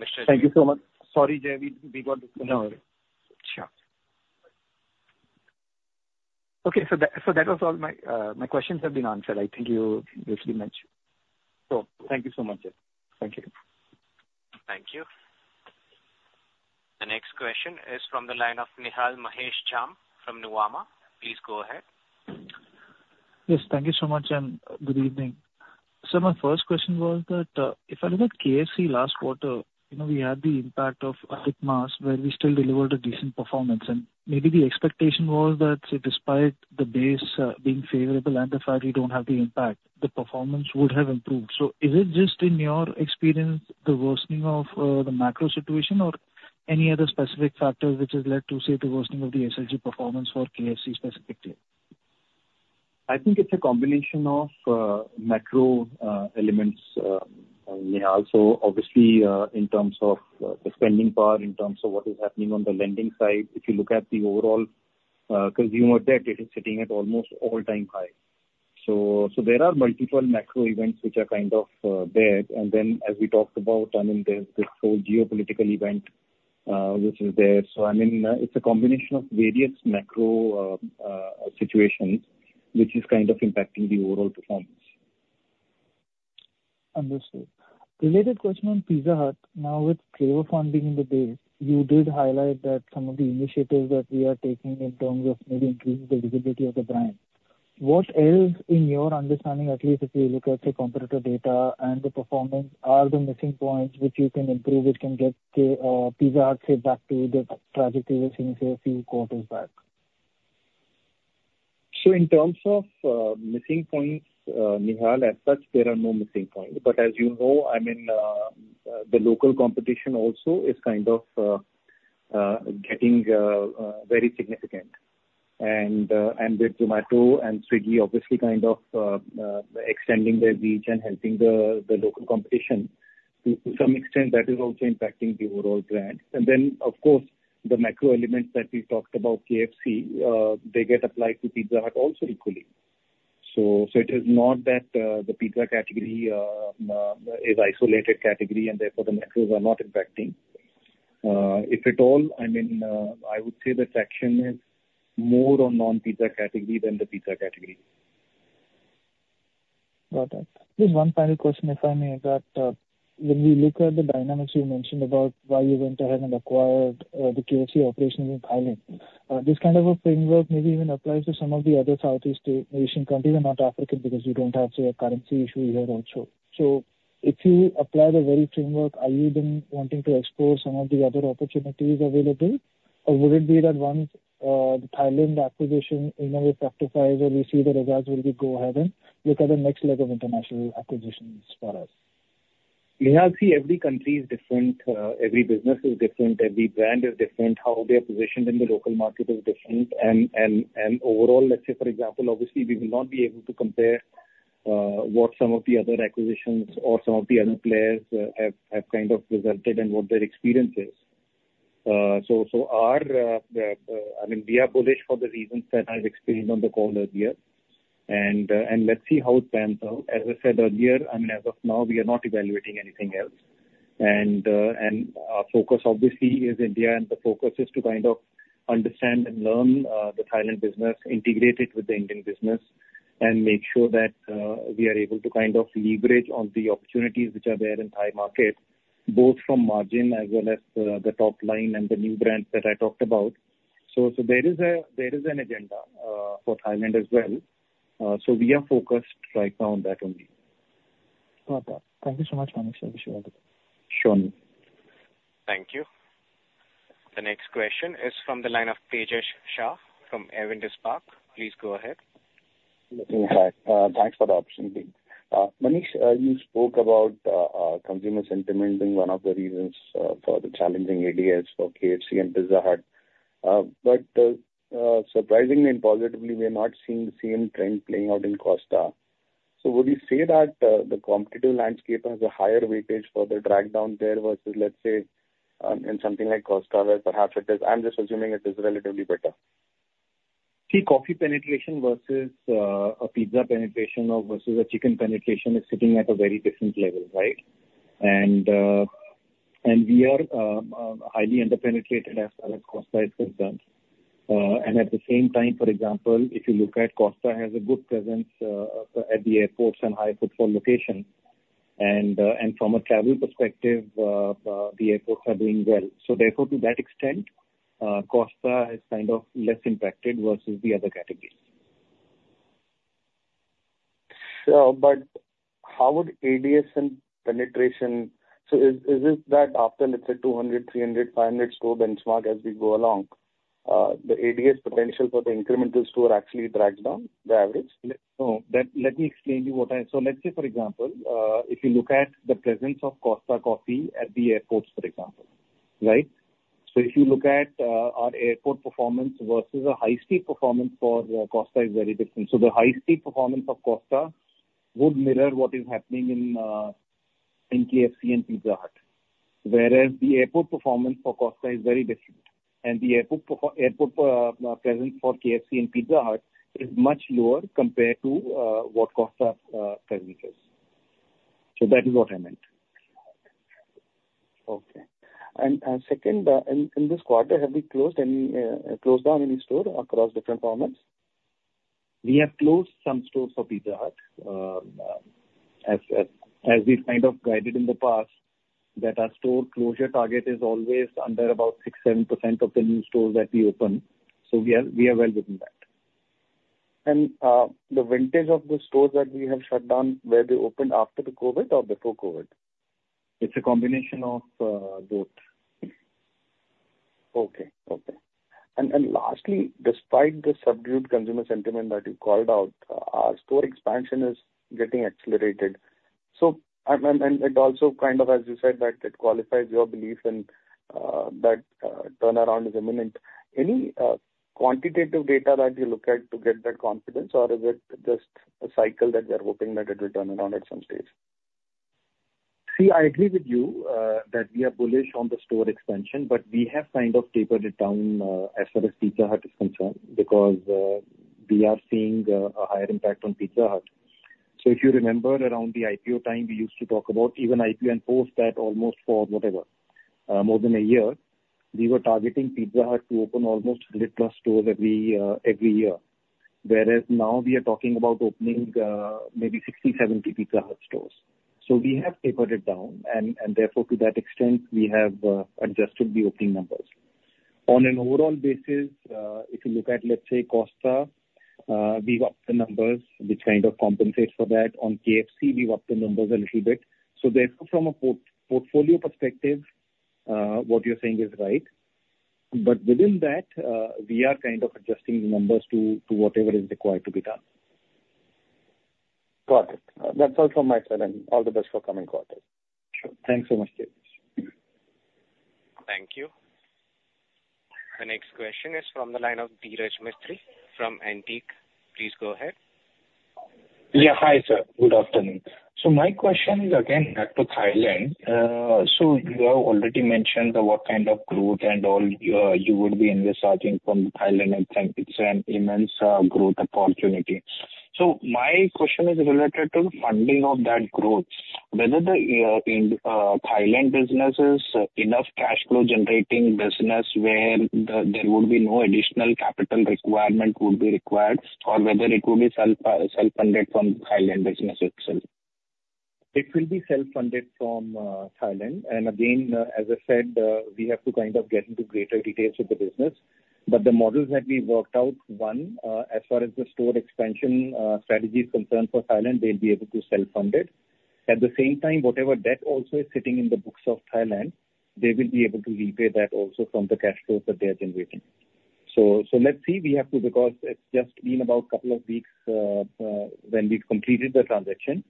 Mr.- Thank you so much. Sorry, Jay, we got this. No worry. Sure. Okay, so that, so that was all my, my questions have been answered. I think you basically mentioned. So thank you so much. Thank you. Thank you. The next question is from the line of Nihal Mahesh Jham from Nuvama. Please go ahead. Yes, thank you so much, and good evening. So my first question was that, if I look at KFC last quarter, you know, we had the impact of COVID mask, where we still delivered a decent performance, and maybe the expectation was that despite the base, being favorable and the fact we don't have the impact, the performance would have improved. So is it just in your experience, the worsening of the macro situation or any other specific factors which has led to, say, the worsening of the SSSG performance for KFC specifically? I think it's a combination of macro elements and also obviously in terms of the spending power, in terms of what is happening on the lending side. If you look at the overall consumer debt, it is sitting at almost all-time high. So there are multiple macro events which are kind of there. And then as we talked about, I mean, there's this whole geopolitical event which is there. So I mean it's a combination of various macro situations which is kind of impacting the overall performance. Understood. Related question on Pizza Hut. Now, with clear funding in the base, you did highlight that some of the initiatives that we are taking in terms of maybe increasing the visibility of the brand. What else, in your understanding, at least if you look at the competitor data and the performance, are the missing points which you can improve, which can get, say, Pizza Hut, say, back to the trajectory we've seen a few quarters back? So in terms of missing points, Nihal, as such, there are no missing points. But as you know, I mean, the local competition also is kind of getting very significant. And with Zomato and Swiggy obviously kind of extending their reach and helping the local competition to some extent, that is also impacting the overall brand. And then, of course, the macro elements that we talked about KFC, they get applied to Pizza Hut also equally. So it is not that the pizza category is isolated category and therefore the macros are not impacting. If at all, I mean, I would say the section is more on non-pizza category than the pizza category. Got it. Just one final question, if I may, that, when we look at the dynamics you mentioned about why you went ahead and acquired, the KFC operations in Thailand, this kind of a framework maybe even applies to some of the other Southeast Asian countries are not African, because you don't have say a currency issue here also. So if you apply the very framework, are you then wanting to explore some of the other opportunities available or would it be that once the Thailand acquisition, you know, it justifies or we see the results, will you go ahead and look at the next leg of international acquisitions for us? Nihal, see, every country is different, every business is different, every brand is different. How they are positioned in the local market is different. And overall, let's say for example, obviously, we will not be able to compare what some of the other acquisitions or some of the other players have kind of resulted and what their experience is. So our, I mean, we are bullish for the reasons that I've explained on the call earlier. And let's see how it pans out. As I said earlier, I mean, as of now, we are not evaluating anything else. Our focus obviously is India, and the focus is to kind of understand and learn the Thailand business, integrate it with the Indian business, and make sure that we are able to kind of leverage on the opportunities which are there in Thai market, both from margin as well as the top line and the new brands that I talked about. So there is an agenda for Thailand as well. So we are focused right now on that only. Got that. Thank you so much, Manish sir. Wish you well. Sure. Thank you. The next question is from the line of Tejas Shah from Avendus Spark. Please go ahead. Hi, thanks for the opportunity. Manish, you spoke about consumer sentiment being one of the reasons for the challenging ADS for KFC and Pizza Hut. But surprisingly and positively, we are not seeing the same trend playing out in Costa. So would you say that the competitive landscape has a higher weightage for the drag down there versus, let's say, in something like Costa, where perhaps it is, I'm just assuming it is relatively better. See, coffee penetration versus a pizza penetration or versus a chicken penetration is sitting at a very different level, right? And, and we are highly under-penetrated as far as Costa is concerned. And at the same time, for example, if you look at Costa has a good presence at the airports and high footfall location. And, and from a travel perspective, the airports are doing well. So therefore, to that extent, Costa is kind of less impacted versus the other categories. Is it that after, let's say, 200, 300, 500 store benchmark as we go along, the ADS potential for the incremental store actually drags down the average? No. Let me explain to you what I, so let's say, for example, if you look at the presence of Costa Coffee at the airports, for example, right? So if you look at our airport performance versus a high street performance for Costa is very different. So the high street performance of Costa would mirror what is happening in KFC and Pizza Hut. Whereas the airport performance for Costa is very different, and the airport presence for KFC and Pizza Hut is much lower compared to what Costa's presence is. So that is what I meant. Okay. Second, in this quarter, have we closed any closed down any store across different formats? We have closed some stores for Pizza Hut. As we've kind of guided in the past, that our store closure target is always under about 6%-7% of the new stores that we open, so we are well within that. The vintage of the stores that we have shut down, were they opened after the COVID or before COVID? It's a combination of both. Okay, okay. And, and lastly, despite the subdued consumer sentiment that you called out, our store expansion is getting accelerated. And it also kind of, as you said, that it qualifies your belief in that turnaround is imminent. Any quantitative data that you look at to get that confidence, or is it just a cycle that you're hoping that it will turn around at some stage? See, I agree with you that we are bullish on the store expansion, but we have kind of tapered it down as far as Pizza Hut is concerned, because we are seeing a higher impact on Pizza Hut. So if you remember around the IPO time, we used to talk about even IPO and post that almost for whatever more than a year, we were targeting Pizza Hut to open almost 30+ stores every year, every year. Whereas now we are talking about opening maybe 60-70 Pizza Hut stores. So we have tapered it down, and therefore, to that extent, we have adjusted the opening numbers. On an overall basis, if you look at, let's say, Costa, we've upped the numbers, which kind of compensates for that. On KFC, we've upped the numbers a little bit. Therefore, from a portfolio perspective, what you're saying is right. But within that, we are kind of adjusting the numbers to whatever is required to be done. Got it. That's all from my side, and all the best for coming quarter. Sure. Thanks so much, Dheeraj. Thank you. The next question is from the line of Dheeraj Mistry from Antique. Please go ahead. Yeah, hi, sir. Good afternoon. So my question is again back to Thailand. So you have already mentioned what kind of growth and all, you would be envisaging from Thailand, and I think it's an immense growth opportunity. So my question is related to funding of that growth. Whether the Thailand business is enough cash flow generating business, where there would be no additional capital requirement would be required, or whether it will be self self-funded from Thailand business itself? It will be self-funded from Thailand. And again, as I said, we have to kind of get into greater details of the business. But the models that we worked out, one, as far as the store expansion strategy is concerned for Thailand, they'll be able to self-fund it. At the same time, whatever debt also is sitting in the books of Thailand, they will be able to repay that also from the cash flows that they are generating. So let's see, we have to because it's just been about couple of weeks when we've completed the transaction.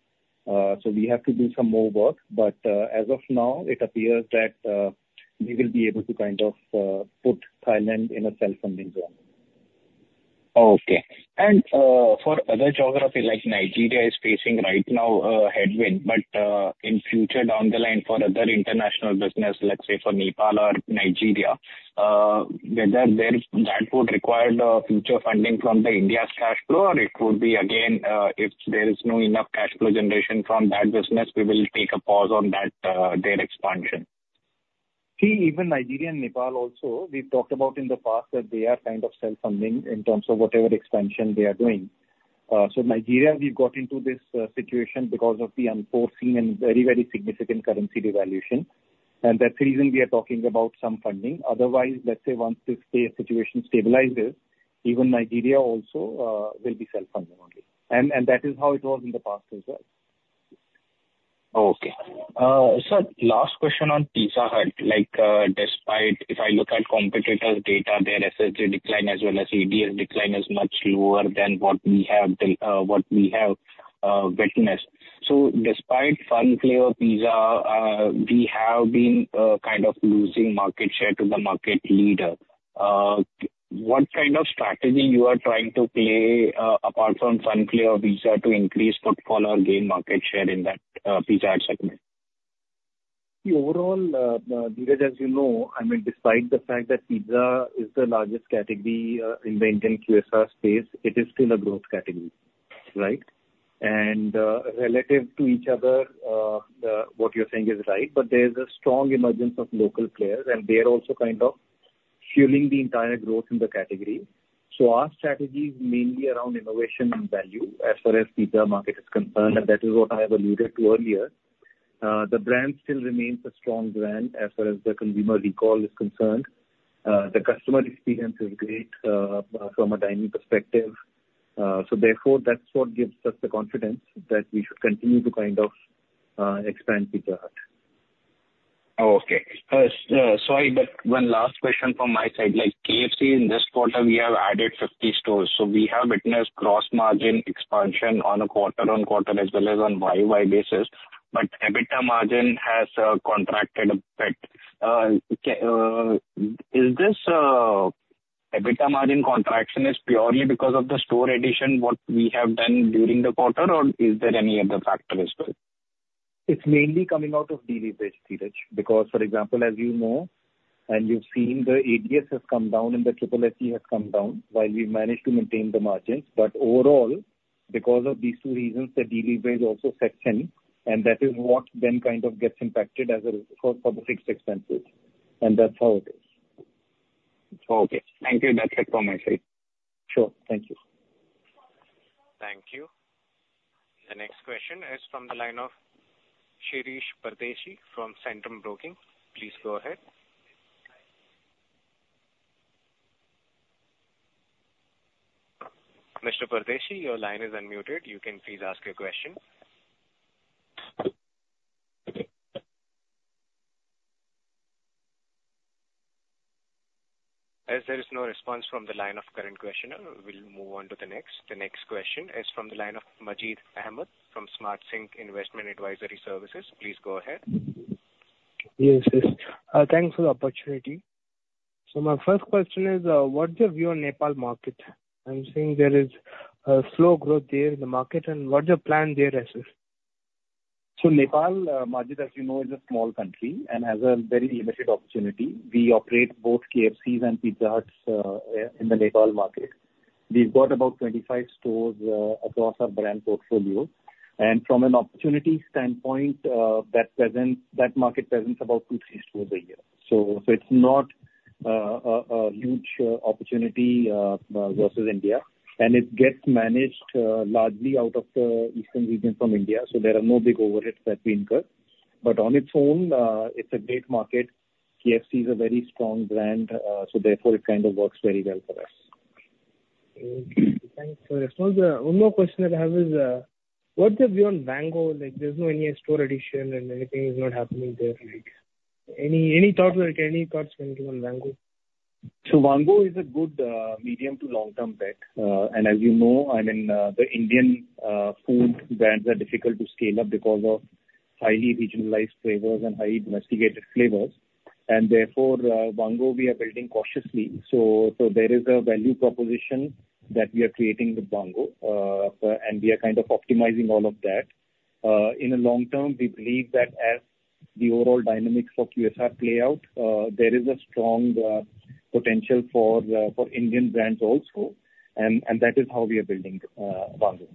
So we have to do some more work, but as of now, it appears that we will be able to kind of put Thailand in a self-funding zone. Okay. For other geography, like Nigeria is facing right now, a headwind, but in future down the line for other international business, let's say for Nepal or Nigeria, whether there that would require future funding from the India's cash flow, or it would be again, if there is no enough cash flow generation from that business, we will take a pause on that, their expansion. See, even Nigeria and Nepal also, we've talked about in the past, that they are kind of self-funding in terms of whatever expansion they are doing. So Nigeria, we've got into this situation because of the unforeseen and very, very significant currency devaluation, and that's the reason we are talking about some funding. Otherwise, let's say once this, the situation stabilizes, even Nigeria also will be self-funding only. And, and that is how it was in the past as well. Okay. Sir, last question on Pizza Hut. Like, despite if I look at competitors' data, their SSG decline as well as ADS decline is much lower than what we have witnessed. So despite Fun Flavor Pizza, we have been kind of losing market share to the market leader. What kind of strategy you are trying to play, apart from Fun Flavor Pizza, to increase footfall or gain market share in that Pizza Hut segment? Overall, Dheeraj, as you know, I mean, despite the fact that pizza is the largest category in the Indian QSR space, it is still a growth category, right? And relative to each other, what you're saying is right, but there's a strong emergence of local players, and they're also kind of fueling the entire growth in the category. So our strategy is mainly around innovation and value as far as pizza market is concerned, and that is what I have alluded to earlier. The brand still remains a strong brand as far as the consumer recall is concerned. The customer experience is great from a dining perspective. So therefore, that's what gives us the confidence that we should continue to kind of expand Pizza Hut. Oh, okay. Sorry, but one last question from my side. Like KFC, in this quarter, we have added 50 stores, so we have witnessed gross margin expansion on a quarter-on-quarter as well as on YoY basis, but EBITDA margin has contracted a bit. Is this EBITDA margin contraction purely because of the store addition, what we have done during the quarter or is there any other factor as well? It's mainly coming out of delivery, Dheeraj. Because, for example, as you know, and you've seen, the ADS has come down and the SSG has come down while we've managed to maintain the margins. But overall, because of these two reasons, the delivery is also set in, and that is what then kind of gets impacted as a result for the fixed expenses, and that's how it is. Okay, thank you. That's it from my side. Sure. Thank you. Thank you. The next question is from the line of Shirish Pardeshi from Centrum Broking. Please go ahead. Mr. Pardeshi, your line is unmuted. You can please ask your question. As there is no response from the line of current questioner, we'll move on to the next. The next question is from the line of Majeed Ahamed from Smart Sync Investment Advisory Services. Please go ahead. Yes, yes. Thanks for the opportunity. So my first question is, what's your view on Nepal market? I'm seeing there is a slow growth there in the market, and what's your plan there is? So Nepal, Majeed, as you know, is a small country and has a very limited opportunity. We operate both KFCs and Pizza Huts in the Nepal market. We've got about 25 stores across our brand portfolio, and from an opportunity standpoint, that market presents about 2 stores to 3 stores a year. So it's not a huge opportunity versus India, and it gets managed largely out of the eastern region from India, so there are no big overheads that we incur. But on its own, it's a great market. KFC is a very strong brand, so therefore it kind of works very well for us. Okay. Thanks for the response. One more question that I have is, what's your view on Vaango? Like, there's no any store addition and anything is not happening there, like, any thoughts, like, any thoughts can be given on Vaango? So Vaango is a good, medium to long-term bet. And as you know, I mean, the Indian food brands are difficult to scale up because of highly regionalized flavors and highly domesticated flavors, and therefore, Vaango, we are building cautiously. So, so there is a value proposition that we are creating with Vaango, and we are kind of optimizing all of that. In the long term, we believe that as the overall dynamics for QSR play out, there is a strong potential for, for Indian brands also and that is how we are building, Vaango.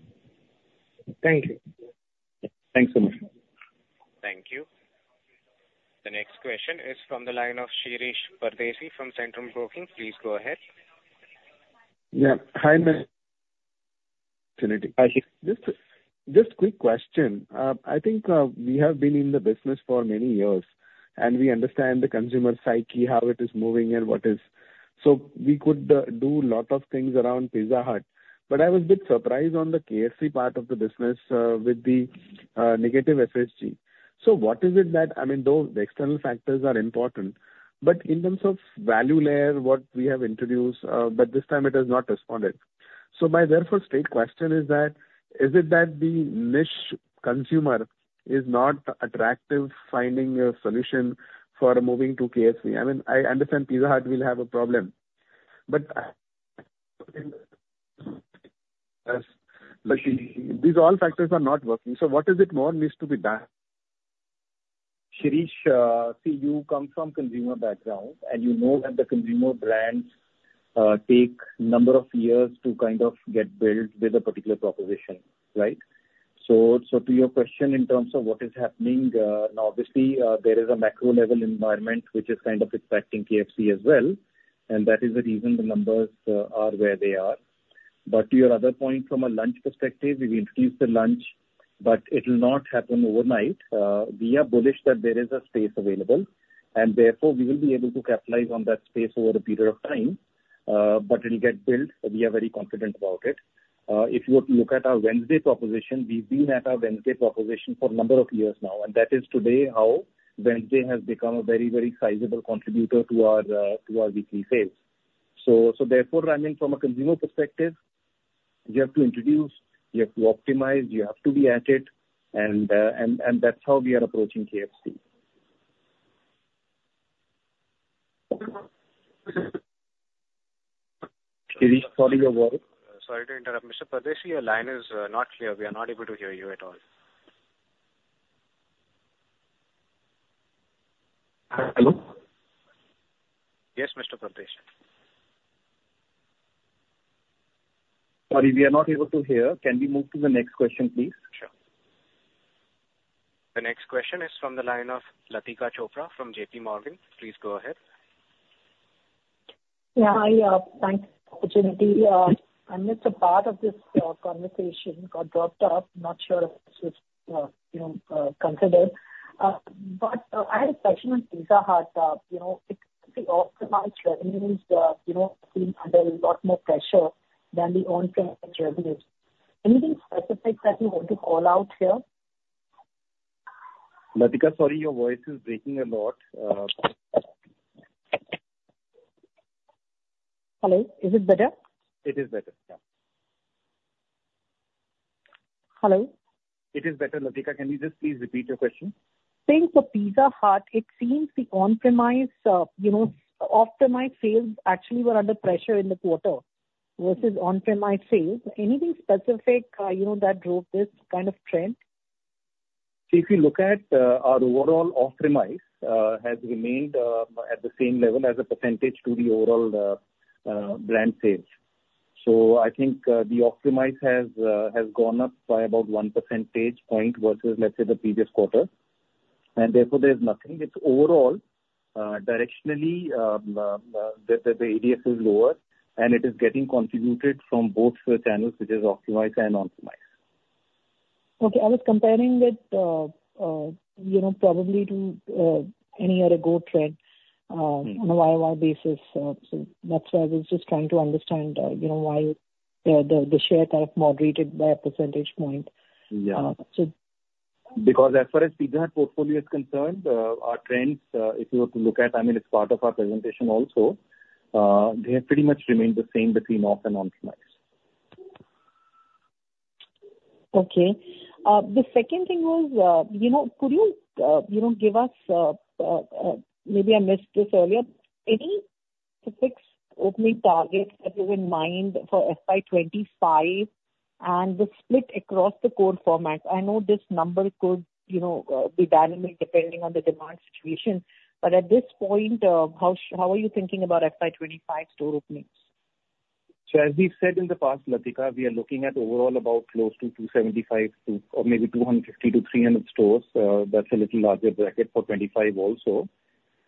Thank you. Thanks so much. Thank you. The next question is from the line of Shirish Pardeshi from Centrum Broking. Please go ahead. Yeah. Hi, Manish. Hi. Just, just a quick question. I think, we have been in the business for many years, and we understand the consumer psyche, how it is moving, and what is. So we could, do lot of things around Pizza Hut, but I was a bit surprised on the KFC part of the business, with the, negative SSG. So what is it that, I mean, those, the external factors are important, but in terms of value layer, what we have introduced, but this time it has not responded. So my therefore straight question is that, is it that the niche consumer is not attractive finding a solution for moving to KFC? I mean, I understand Pizza Hut will have a problem, but these all factors are not working. So what is it more needs to be done? Shirish, see, you come from consumer background, and you know that the consumer brands take number of years to kind of get built with a particular proposition, right? So, so to your question in terms of what is happening, obviously, there is a macro level environment which is kind of impacting KFC as well, and that is the reason the numbers are where they are. But to your other point, from a lunch perspective, we've introduced the lunch, but it will not happen overnight. We are bullish that there is a space available, and therefore, we will be able to capitalize on that space over a period of time, but it'll get built, and we are very confident about it. If you were to look at our Wednesday proposition, we've been at our Wednesday proposition for a number of years now, and that is today how Wednesday has become a very, very sizable contributor to our weekly sales. So, therefore, I mean, from a consumer perspective, you have to introduce, you have to optimize, you have to be at it, and that's how we are approaching KFC. Shirish, sorry, your voice. Sorry to interrupt. Mr. Pardeshi, your line is not clear. We are not able to hear you at all. Hello? Yes, Mr. Pardeshi. Sorry, we are not able to hear. Can we move to the next question, please? Sure. The next question is from the line of Latika Chopra from J.P. Morgan. Please go ahead. Yeah, hi, thanks for the opportunity. I missed a part of this conversation, got dropped off. Not sure if this was, you know, considered. But I had a question on Pizza Hut. You know, the off-premise revenues, you know, seem under a lot more pressure than the on-premise revenues. Anything specific that you want to call out here? Latika, sorry, your voice is breaking a lot. Hello, is it better? It is better, yeah. Hello? It is better, Latika. Can you just please repeat your question? Thanks. For Pizza Hut, it seems the on-premise, you know, off-premise sales actually were under pressure in the quarter versus on-premise sales. Anything specific, you know, that drove this kind of trend? If you look at our overall off-premise has remained at the same level as a percentage to the overall brand sales. So I think the off-premise has gone up by about one percentage point versus, let's say, the previous quarter, and therefore, there's nothing. It's overall directionally the ADS is lower, and it is getting contributed from both the channels, which is off-premise and non-off-premise. Okay. I was comparing with, you know, probably to any other growth on a YY basis. So that's why I was just trying to understand, you know, why the share kind of moderated by a percentage point. Yeah. Because as far as Pizza Hut portfolio is concerned, our trends, if you were to look at, I mean, it's part of our presentation also, they have pretty much remained the same between off and on-premise. Okay. The second thing was, you know, could you, you know, give us, maybe I missed this earlier, any specific opening targets that you have in mind for FY 2025, and the split across the core formats? I know this number could, you know, be dynamic depending on the demand situation, but at this point, how are you thinking about FY 2025 store openings? So as we've said in the past, Latika, we are looking at overall about close to 275 or maybe 250 to 300 stores. That's a little larger bracket for 2025 also.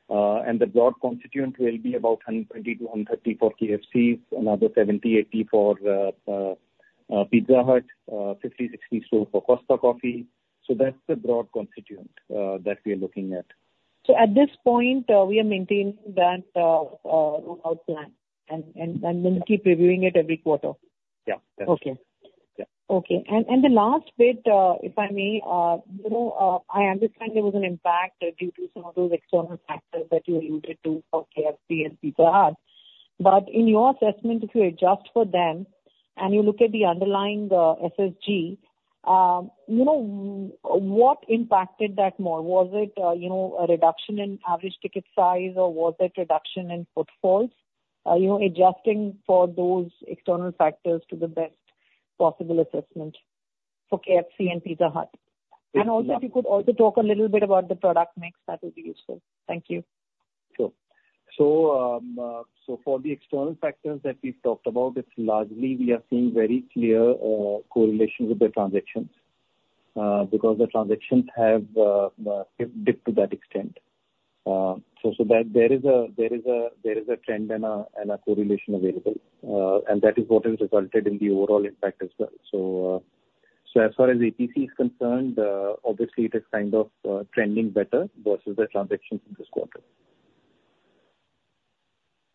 And the broad constituent will be about 120 to 130 for KFC, another 70-80 for Pizza Hut, 50 stores to 60 stores for Costa Coffee. So that's the broad constituent that we are looking at. At this point, we are maintaining that rollout plan and will keep reviewing it every quarter? Yeah. Okay. Yeah. Okay. And the last bit, if I may, you know, I understand there was an impact due to some of those external factors that you alluded to for KFC and Pizza Hut, but in your assessment, if you adjust for them and you look at the underlying SSG, you know, what impacted that more? Was it, you know, a reduction in average ticket size, or was it reduction in footfalls? You know, adjusting for those external factors to the best possible assessment for KFC and Pizza Hut. Yeah. And also, if you could also talk a little bit about the product mix, that would be useful. Thank you. Sure. So, for the external factors that we've talked about, it's largely we are seeing very clear correlation with the transactions because the transactions have dipped to that extent. So, that there is a trend and a correlation available, and that is what has resulted in the overall impact as well. So, as far as APC is concerned, obviously it is kind of trending better versus the transactions in this quarter.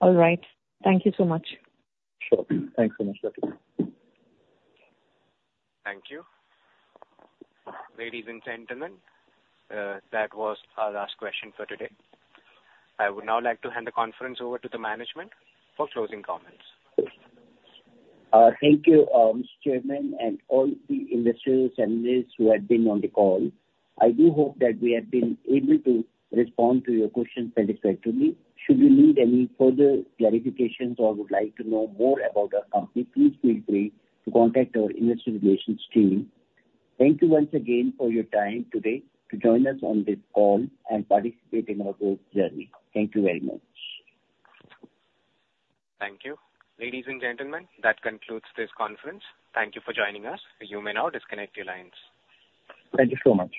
All right. Thank you so much. Sure. Thanks so much, Latika. Thank you. Ladies and gentlemen, that was our last question for today. I would now like to hand the conference over to the management for closing comments. Thank you, Chairman, and all the investors, analysts who have been on the call. I do hope that we have been able to respond to your questions satisfactorily. Should you need any further clarifications or would like to know more about our company, please feel free to contact our investor relations team. Thank you once again for your time today to join us on this call and participate in our growth journey. Thank you very much. Thank you. Ladies and gentlemen, that concludes this conference. Thank you for joining us. You may now disconnect your lines. Thank you so much.